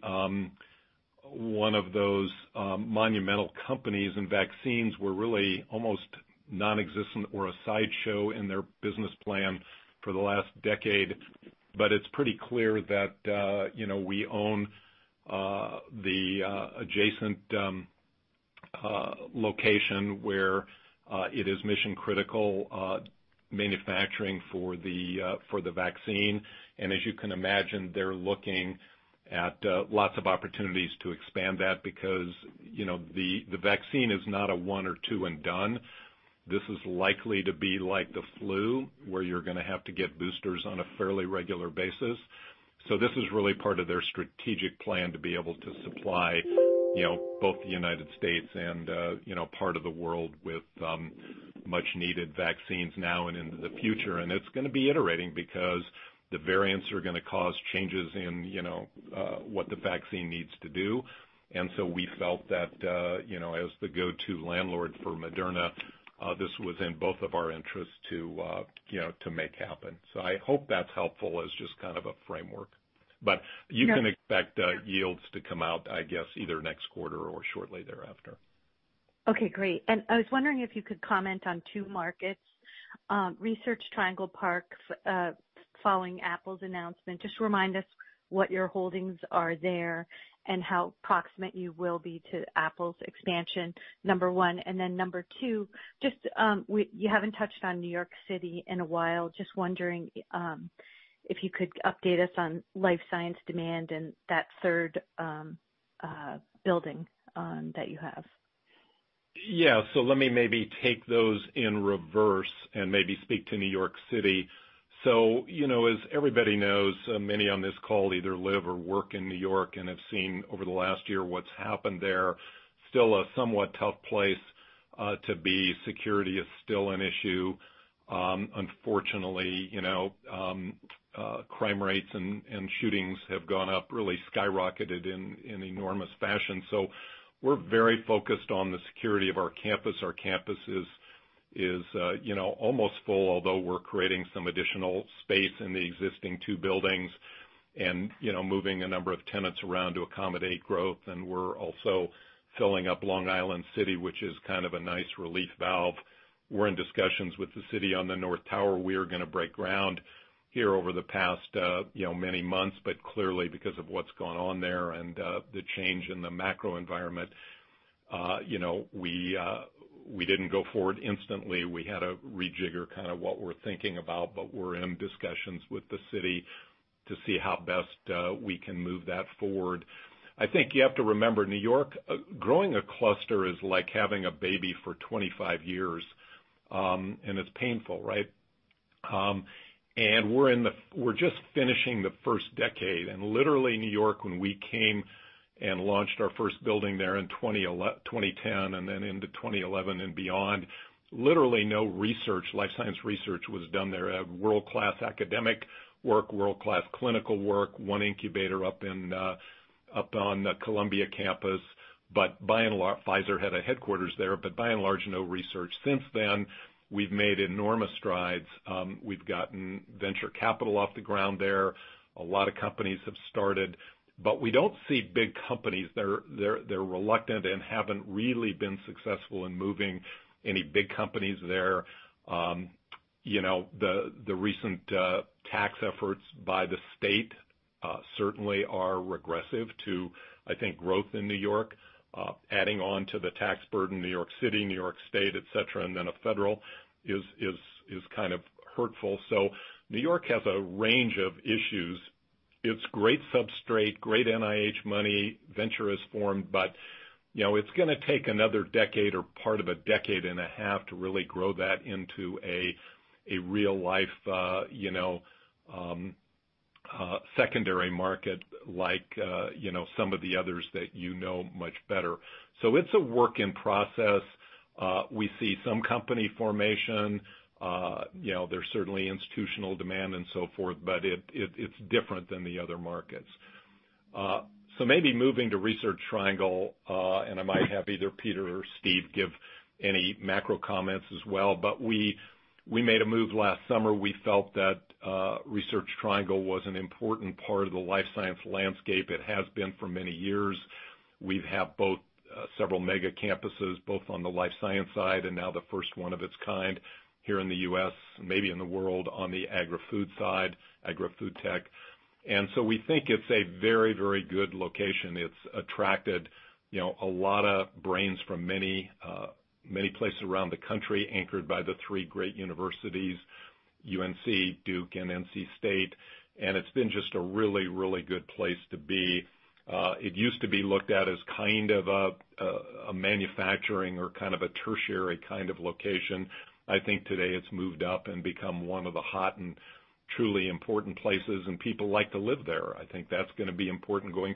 one of those monumental companies, and vaccines were really almost non-existent or a sideshow in their business plan for the last decade. It's pretty clear that we own the adjacent location where it is mission-critical manufacturing for the vaccine. As you can imagine, they're looking at lots of opportunities to expand that because the vaccine is not a one or two and done. This is likely to be like the flu, where you're gonna have to get boosters on a fairly regular basis. This is really part of their strategic plan to be able to supply both the United States and part of the world with much needed vaccines now and into the future. It's gonna be iterating because the variants are gonna cause changes in what the vaccine needs to do. We felt that as the go-to landlord for Moderna, this was in both of our interests to make happen. I hope that's helpful as just kind of a framework. You can expect yields to come out, I guess, either next quarter or shortly thereafter. Okay, great. I was wondering if you could comment on two markets. Research Triangle Park, following Apple's announcement. Just remind us what your holdings are there and how proximate you will be to Apple's expansion, number one. Number two, you haven't touched on New York City in a while. Just wondering if you could update us on life science demand and that third building that you have. Yeah. Let me maybe take those in reverse and maybe speak to New York City. As everybody knows, many on this call either live or work in New York and have seen over the last year what's happened there. Still a somewhat tough place to be. Security is still an issue. Unfortunately, crime rates and shootings have gone up, really skyrocketed in enormous fashion. We're very focused on the security of our campus. Our campus is almost full, although we're creating some additional space in the existing two buildings and moving a number of tenants around to accommodate growth. We're also filling up Long Island City, which is kind of a nice relief valve. We're in discussions with the city on the north tower. We are gonna break ground here over the past many months, but clearly because of what's gone on there and the change in the macro environment, we didn't go forward instantly. We had to rejigger kind of what we're thinking about, but we're in discussions with the city to see how best we can move that forward. I think you have to remember, New York, growing a cluster is like having a baby for 25 years, and it's painful, right? We're just finishing the first decade. Literally, New York, when we came and launched our first building there in 2010, and then into 2011 and beyond, literally no life science research was done there. World-class academic work, world-class clinical work, one incubator up on the Columbia campus. Pfizer had a headquarters there, but by and large, no research. Since then, we've made enormous strides. We've gotten venture capital off the ground there. A lot of companies have started, we don't see big companies there. They're reluctant and haven't really been successful in moving any big companies there. The recent tax efforts by the state certainly are regressive to, I think, growth in New York. Adding on to the tax burden, New York City, New York State, et cetera, then federal is kind of hurtful. New York has a range of issues. It's great substrate, great NIH money, venture is formed, it's going to take another decade or part of a decade and a half to really grow that into a real life secondary market like some of the others that you know much better. It's a work in process. We see some company formation. There's certainly institutional demand and so forth, it's different than the other markets. Maybe moving to Research Triangle, and I might have either Peter or Steve give any macro comments as well, but we made a move last summer. We felt that Research Triangle was an important part of the life science landscape. It has been for many years. We've had both several mega campuses, both on the life science side and now the first one of its kind here in the U.S., maybe in the world, on the agri-food side, agri-food tech. We think it's a very good location. It's attracted a lot of brains from many places around the country, anchored by the three great universities, UNC, Duke, and NC State. It's been just a really good place to be. It used to be looked at as kind of a manufacturing or kind of a tertiary kind of location. I think today it's moved up and become one of the hot and truly important places, and people like to live there. I think that's going to be important going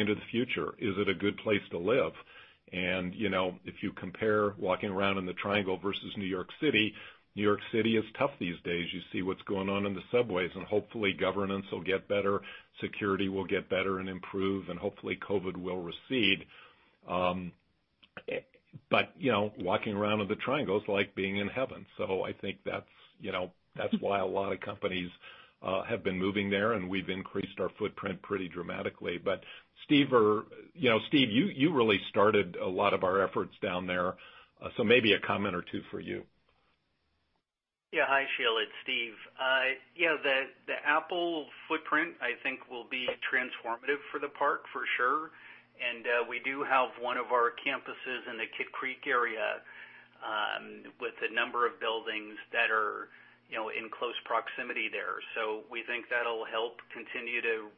into the future. Is it a good place to live? If you compare walking around in the Triangle versus New York City, New York City is tough these days. You see what's going on in the subways, and hopefully governance will get better, security will get better and improve, and hopefully COVID-19 will recede. Walking around in the Triangle is like being in heaven. I think that's why a lot of companies have been moving there, and we've increased our footprint pretty dramatically. Steve, you really started a lot of our efforts down there. Maybe a comment or two for you. Yeah. Hi, Sheila, it's Steve. Yeah, the Apple footprint, I think, will be transformative for the park for sure. We do have one of our campuses in the Kit Creek area with a number of buildings that are in close proximity there. We think that'll help continue to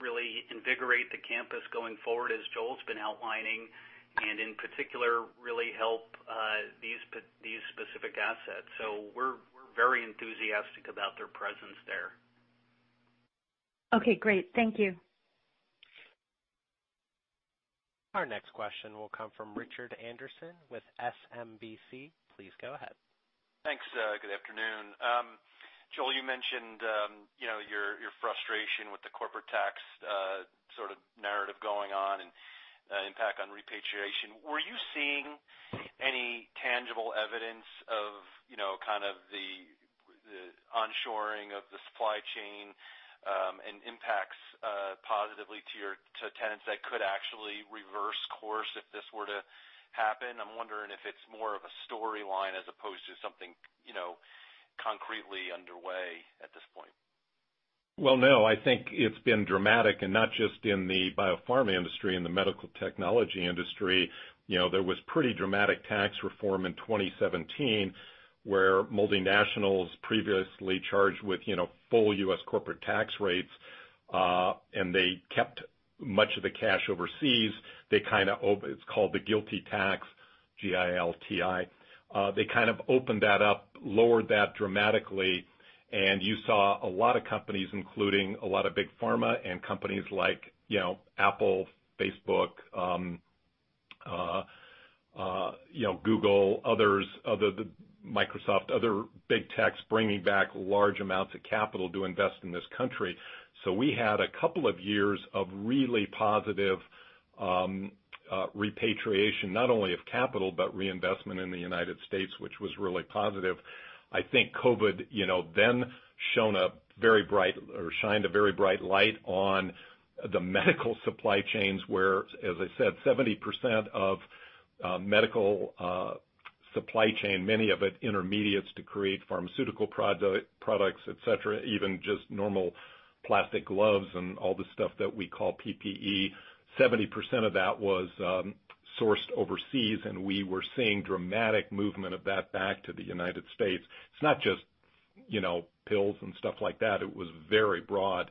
really invigorate the campus going forward, as Joel's been outlining, and in particular, really help these specific assets. We're very enthusiastic about their presence there. Okay, great. Thank you. Our next question will come from Richard Anderson with SMBC. Please go ahead. Thanks. Good afternoon. Joel, you mentioned your frustration with the corporate tax sort of narrative going on and impact on repatriation. Were you seeing any tangible evidence of kind of the onshoring of the supply chain and impacts positively to tenants that could actually reverse course if this were to happen? I'm wondering if it's more of a storyline as opposed to something concretely underway at this point. Well, no, I think it's been dramatic, and not just in the biopharma industry and the medical technology industry. There was pretty dramatic tax reform in 2017, where multinationals previously charged with full U.S. corporate tax rates, and they kept much of the cash overseas. It's called the GILTI tax, G-I-L-T-I. They kind of opened that up, lowered that dramatically, and you saw a lot of companies, including a lot of big pharma and companies like Apple, Facebook, Google, others, Microsoft, other big techs bringing back large amounts of capital to invest in this country. We had a couple of years of really positive repatriation, not only of capital, but reinvestment in the United States, which was really positive. I think COVID-19 then shined a very bright light on the medical supply chains, where, as I said, 70% of medical supply chain, many of it intermediates to create pharmaceutical products, et cetera, even just normal plastic gloves and all the stuff that we call PPE. 70% of that was sourced overseas, and we were seeing dramatic movement of that back to the U.S. It's not just pills and stuff like that. It was very broad.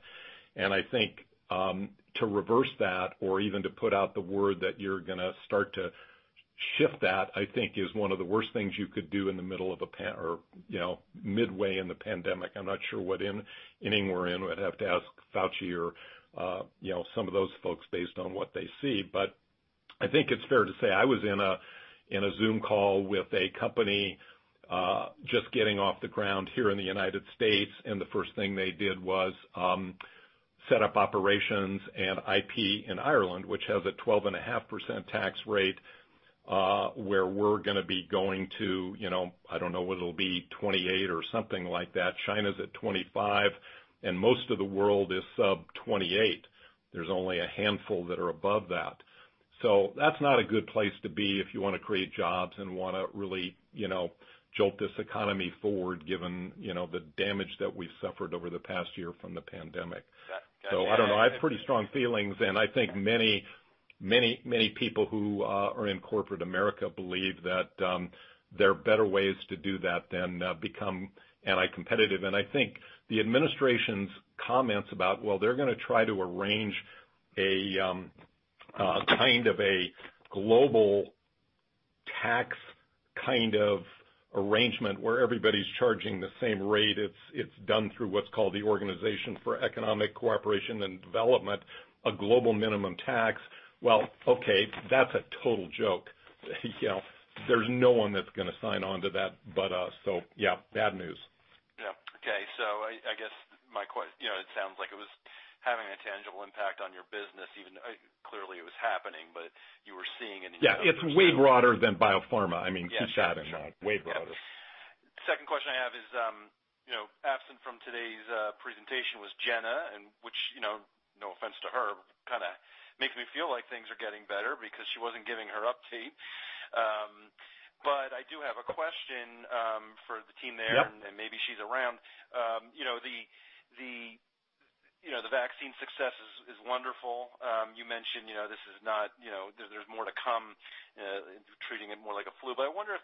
I think to reverse that or even to put out the word that you're going to start to shift that, I think is one of the worst things you could do midway in the pandemic. I'm not sure what inning we're in. Would have to ask Fauci or some of those folks based on what they see. I think it's fair to say I was in a Zoom call with a company just getting off the ground here in the U.S., and the first thing they did was set up operations and IP in Ireland, which has a 12.5% tax rate, where we're going to be going to, I don't know whether it'll be 28% or something like that. China's at 25%, and most of the world is sub 28%. There's only a handful that are above that. That's not a good place to be if you want to create jobs and want to really jolt this economy forward, given the damage that we've suffered over the past year from the pandemic. Yeah. I don't know. I have pretty strong feelings, and I think many people who are in corporate America believe that there are better ways to do that than become anti-competitive. I think the administration's comments about, well, they're going to try to arrange a kind of global tax kind of arrangement where everybody's charging the same rate. It's done through what's called the Organisation for Economic Co-operation and Development, a global minimum tax. Well, okay, that's a total joke. There's no one that's going to sign on to that, but, so yeah, bad news. Yeah. Okay. I guess it sounds like it was having a tangible impact on your business, even clearly it was happening, but you were seeing. Yeah, it's way broader than biopharma. I mean, keep that in mind. Way broader. Yeah. Second question I have is, absent from today's presentation was Jenna, and which no offense to her, kind of makes me feel like things are getting better because she wasn't giving her update. I do have a question for the team there. Yep. Maybe she's around. The vaccine success is wonderful. You mentioned there's more to come, treating it more like a flu. I wonder if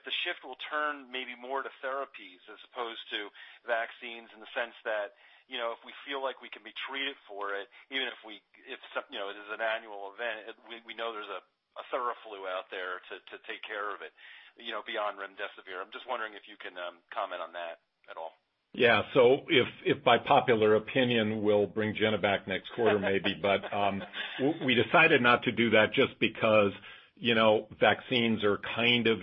the shift will turn maybe more to therapies as opposed to vaccines in the sense that if we feel like we can be treated for it, even if it is an annual event, we know there's a Theraflu out there to take care of it beyond Remdesivir. I'm just wondering if you can comment on that at all. Yeah. If by popular opinion, we'll bring Jenna back next quarter maybe. We decided not to do that just because vaccines are kind of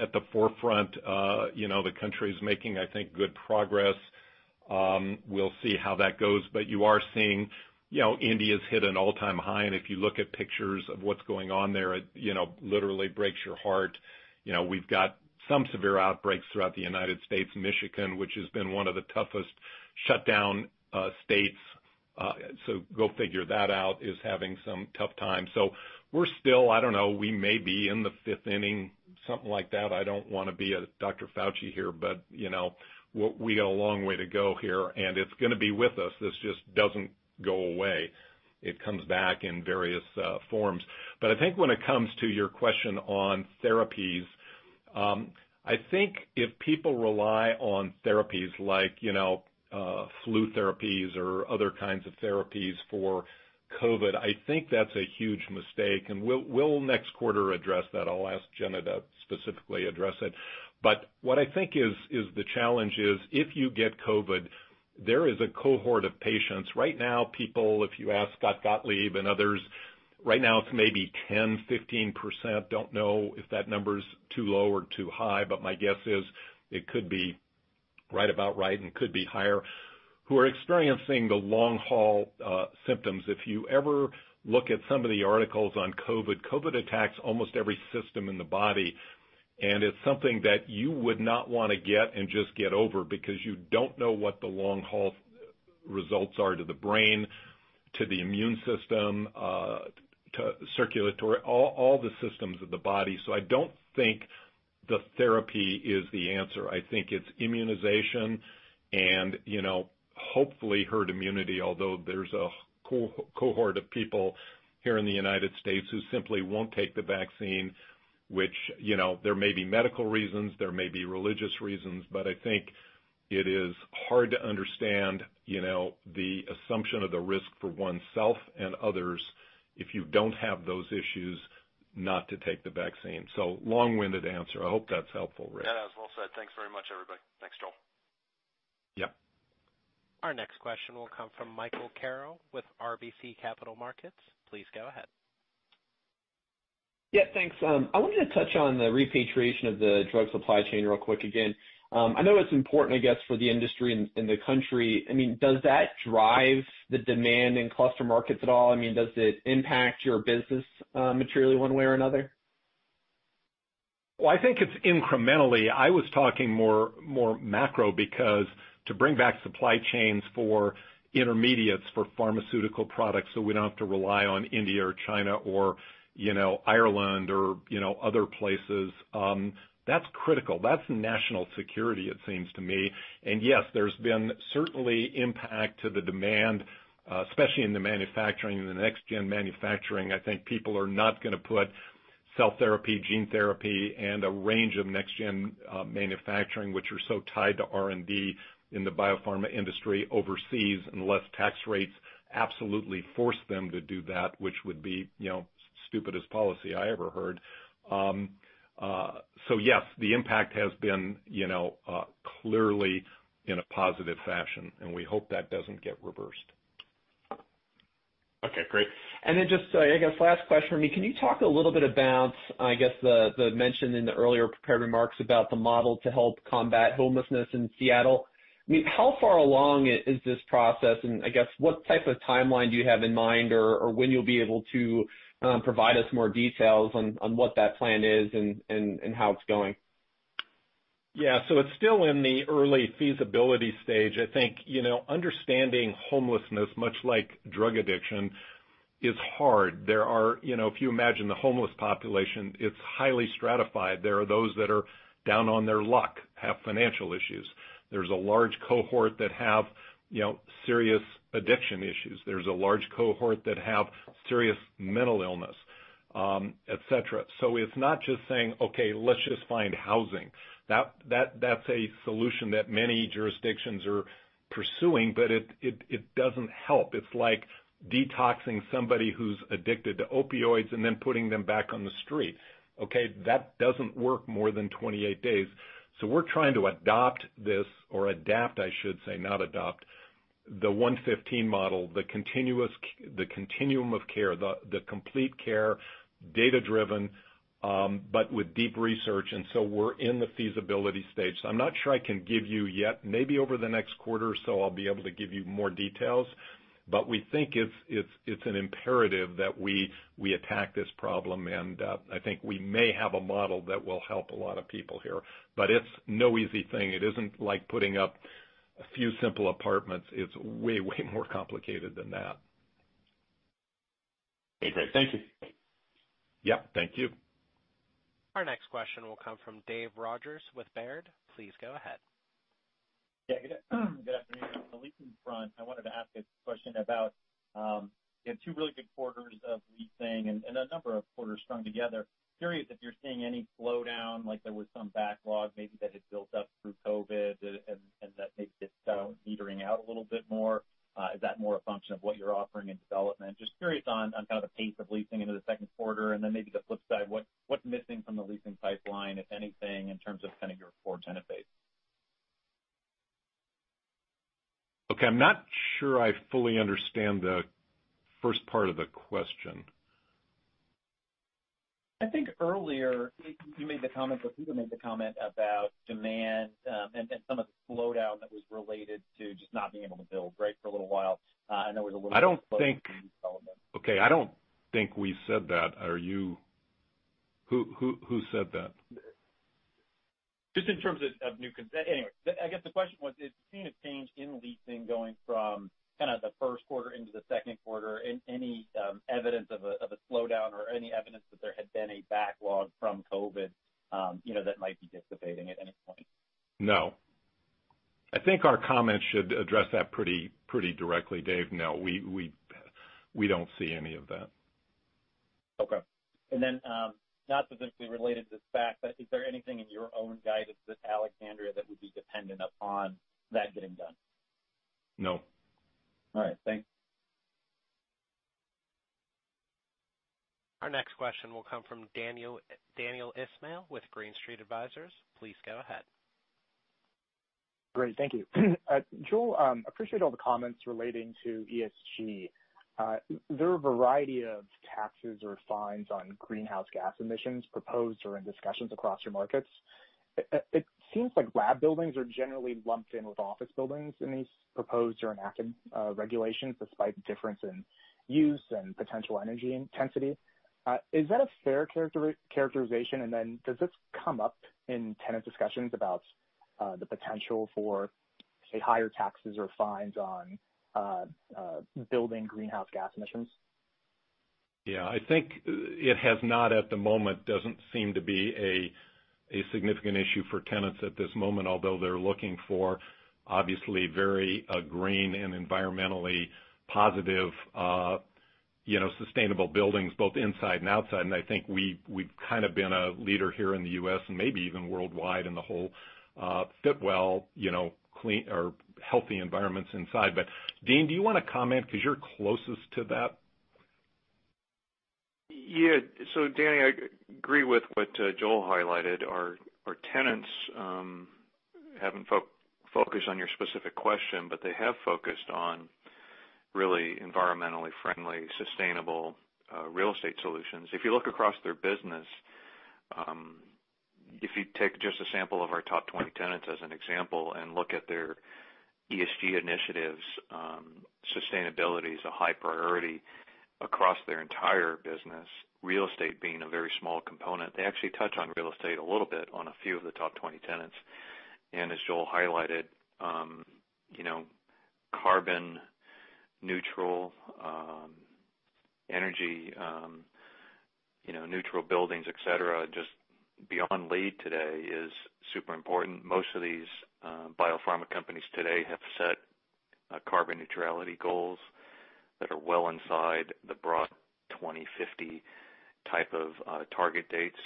at the forefront. The country's making, I think, good progress. We'll see how that goes. You are seeing India's hit an all-time high, and if you look at pictures of what's going on there, it literally breaks your heart. We've got some severe outbreaks throughout the U.S., Michigan, which has been one of the toughest shutdown states, so go figure that out, is having some tough times. We're still, I don't know, we may be in the fifth inning, something like that. I don't want to be a Dr. Fauci here, we got a long way to go here, and it's going to be with us. This just doesn't go away. It comes back in various forms. I think when it comes to your question on therapies, I think if people rely on therapies like flu therapies or other kinds of therapies for COVID, I think that's a huge mistake, and we'll next quarter address that. I'll ask Jenna to specifically address it. What I think is the challenge is if you get COVID, there is a cohort of patients right now, people, if you ask Scott Gottlieb and others, right now it's maybe 10%, 15%, don't know if that number's too low or too high, but my guess is it could be right about right and could be higher, who are experiencing the long-haul symptoms. If you ever look at some of the articles on COVID attacks almost every system in the body. It's something that you would not want to get and just get over because you do not know what the long-haul results are to the brain, to the immune system, to circulatory, all the systems of the body. I do not think the therapy is the answer. I think it's immunization and hopefully herd immunity, although there's a cohort of people here in the U.S. who simply will not take the vaccine, which there may be medical reasons, there may be religious reasons, I think it is hard to understand the assumption of the risk for oneself and others if you do not have those issues not to take the vaccine. Long-winded answer. I hope that's helpful, Richard Anderson. That was well said. Thanks very much, everybody. Thanks, Joel. Yep. Our next question will come from Michael Carroll with RBC Capital Markets. Please go ahead. Yeah, thanks. I wanted to touch on the repatriation of the drug supply chain real quick again. I know it's important, I guess, for the industry and the country. Does that drive the demand in cluster markets at all? Does it impact your business materially one way or another? Well, I think it's incrementally. I was talking more macro because to bring back supply chains for intermediates for pharmaceutical products so we don't have to rely on India or China or Ireland or other places, that's critical. That's national security, it seems to me. Yes, there's been certainly impact to the demand, especially in the manufacturing, in the next-gen manufacturing. I think people are not going to cell therapy, gene therapy, and a range of next-gen manufacturing, which are so tied to R&D in the biopharma industry overseas, unless tax rates absolutely force them to do that, which would be stupidest policy I ever heard. Yes, the impact has been clearly in a positive fashion, and we hope that doesn't get reversed. Okay, great. Just, I guess last question from me. Can you talk a little bit about, I guess, the mention in the earlier prepared remarks about the model to help combat homelessness in Seattle? How far along is this process, and I guess, what type of timeline do you have in mind, or when you'll be able to provide us more details on what that plan is and how it's going? Yeah. It's still in the early feasibility stage. I think, understanding homelessness, much like drug addiction, is hard. If you imagine the homeless population, it's highly stratified. There are those that are down on their luck, have financial issues. There's a large cohort that have serious addiction issues. There's a large cohort that have serious mental illness, et cetera. It's not just saying, "Okay, let's just find housing." That's a solution that many jurisdictions are pursuing, but it doesn't help. It's like detoxing somebody who's addicted to opioids and then putting them back on the street. Okay? That doesn't work more than 28 days. We're trying to adopt this, or adapt, I should say, not adopt, the OneFifteen model, the continuum of care, the complete care, data-driven, but with deep research, and so we're in the feasibility stage. I'm not sure I can give you yet. Maybe over the next quarter or so, I'll be able to give you more details. We think it's an imperative that we attack this problem. I think we may have a model that will help a lot of people here, but it's no easy thing. It isn't like putting up a few simple apartments. It's way more complicated than that. Okay, great. Thank you. Yep, thank you. Our next question will come from Dave Rodgers with Baird. Please go ahead. Yeah, good afternoon. On the leasing front, I wanted to ask a question about, you had two really good quarters of leasing and a number of quarters strung together. Curious if you're seeing any slowdown, like there was some backlog maybe that had built up through COVID and that maybe it's now metering out a little bit more. Is that more a function of what you're offering in development? Just curious on kind of the pace of leasing into the second quarter, and then maybe the flip side, what's missing from the leasing pipeline, if anything, in terms of kind of your core tenant base? Okay, I'm not sure I fully understand the first part of the question. I think earlier you made the comment, or Peter made the comment about demand, and some of the slowdown that was related to just not being able to build, right, for a little while. I don't think- slowdown in development. Okay, I don't think we said that. Who said that? Anyway, I guess the question was, if you've seen a change in leasing going from kind of the first quarter into the second quarter. Any evidence of a slowdown or any evidence that there had been a backlog from COVID that might be dissipating at any point? No. I think our comments should address that pretty directly, Dave. No, we don't see any of that. Okay. Not specifically related to the SPACs, but is there anything in your own guidance with Alexandria that would be dependent upon that getting done? No. All right, thanks. Our next question will come from Danny Ismail with Green Street Advisors. Please go ahead. Great. Thank you. Joel, appreciate all the comments relating to ESG. There are a variety of taxes or fines on greenhouse gas emissions proposed or in discussions across your markets. It seems like lab buildings are generally lumped in with office buildings in these proposed or enacted regulations, despite the difference in use and potential energy intensity. Is that a fair characterization? Does this come up in tenant discussions about the potential for, say, higher taxes or fines on building greenhouse gas emissions? Yeah. I think it has not, at the moment, doesn't seem to be a significant issue for tenants at this moment, although they're looking for, obviously, very green and environmentally positive sustainable buildings, both inside and outside. I think we've kind of been a leader here in the U.S. and maybe even worldwide in the whole fit well, healthy environments inside. Dean, do you want to comment because you're closest to that? Yeah. Danny, I agree with what Joel highlighted. Our tenants haven't focused on your specific question, they have focused on really environmentally friendly, sustainable real estate solutions. If you look across their business, if you take just a sample of our top 20 tenants as an example and look at their ESG initiatives, sustainability is a high priority across their entire business, real estate being a very small component. They actually touch on real estate a little bit on a few of the top 20 tenants. As Joel highlighted, carbon neutral, energy neutral buildings, et cetera, just beyond LEED today is super important. Most of these biopharma companies today have set Carbon neutrality goals that are well inside the broad 2050 type of target dates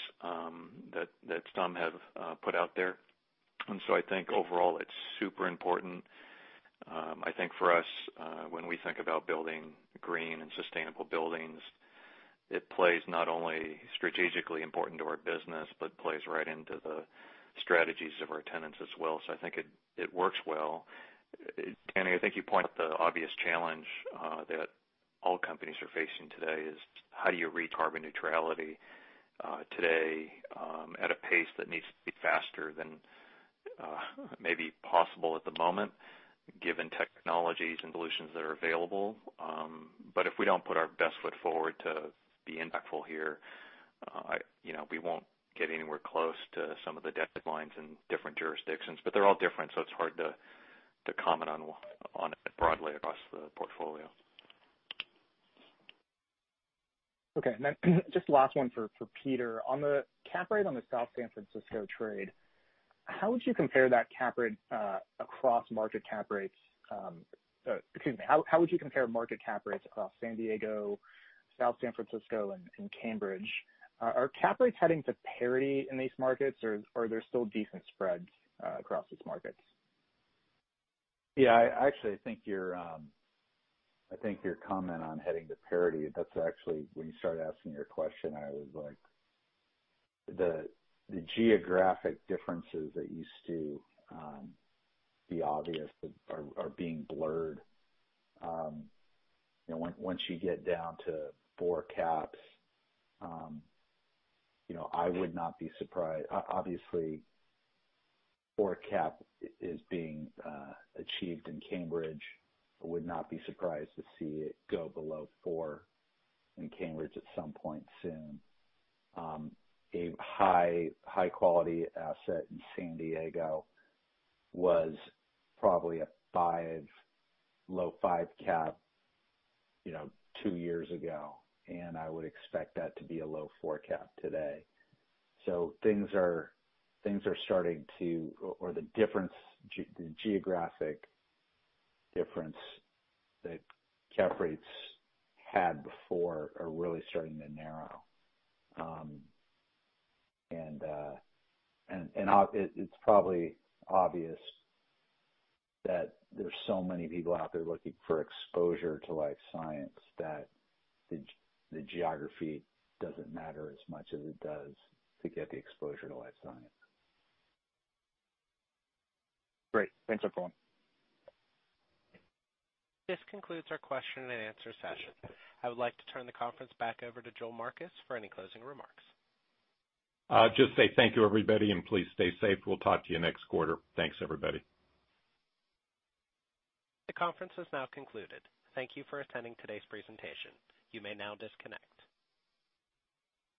that some have put out there. I think overall it's super important. I think for us, when we think about building green and sustainable buildings, it plays not only strategically important to our business, but plays right into the strategies of our tenants as well. I think it works well. Danny, I think you point out the obvious challenge that all companies are facing today is how do you reach carbon neutrality today at a pace that needs to be faster than may be possible at the moment, given technologies and solutions that are available. If we don't put our best foot forward to be impactful here, we won't get anywhere close to some of the deadlines in different jurisdictions. They're all different, so it's hard to comment on it broadly across the portfolio. Okay. Just last one for Peter. On the cap rate on the South San Francisco trade, how would you compare market cap rates across San Diego, South San Francisco, and Cambridge? Are cap rates heading to parity in these markets, or are there still decent spreads across these markets? Yeah, I actually think your comment on heading to parity, that's actually when you started asking your question, I was like, the geographic differences that used to be obvious are being blurred. Once you get down to four caps, I would not be surprised. Obviously, four cap is being achieved in Cambridge. I would not be surprised to see it go below four in Cambridge at some point soon. A high-quality asset in San Diego was probably a low five cap two years ago. I would expect that to be a low four cap today. The geographic difference that cap rates had before are really starting to narrow. It's probably obvious that there's so many people out there looking for exposure to life science, that the geography doesn't matter as much as it does to get the exposure to life science. Great. Thanks, everyone. This concludes our question and answer session. I would like to turn the conference back over to Joel Marcus for any closing remarks. Just say thank you, everybody, and please stay safe. We'll talk to you next quarter. Thanks, everybody. The conference is now concluded. Thank you for attending today's presentation. You may now disconnect.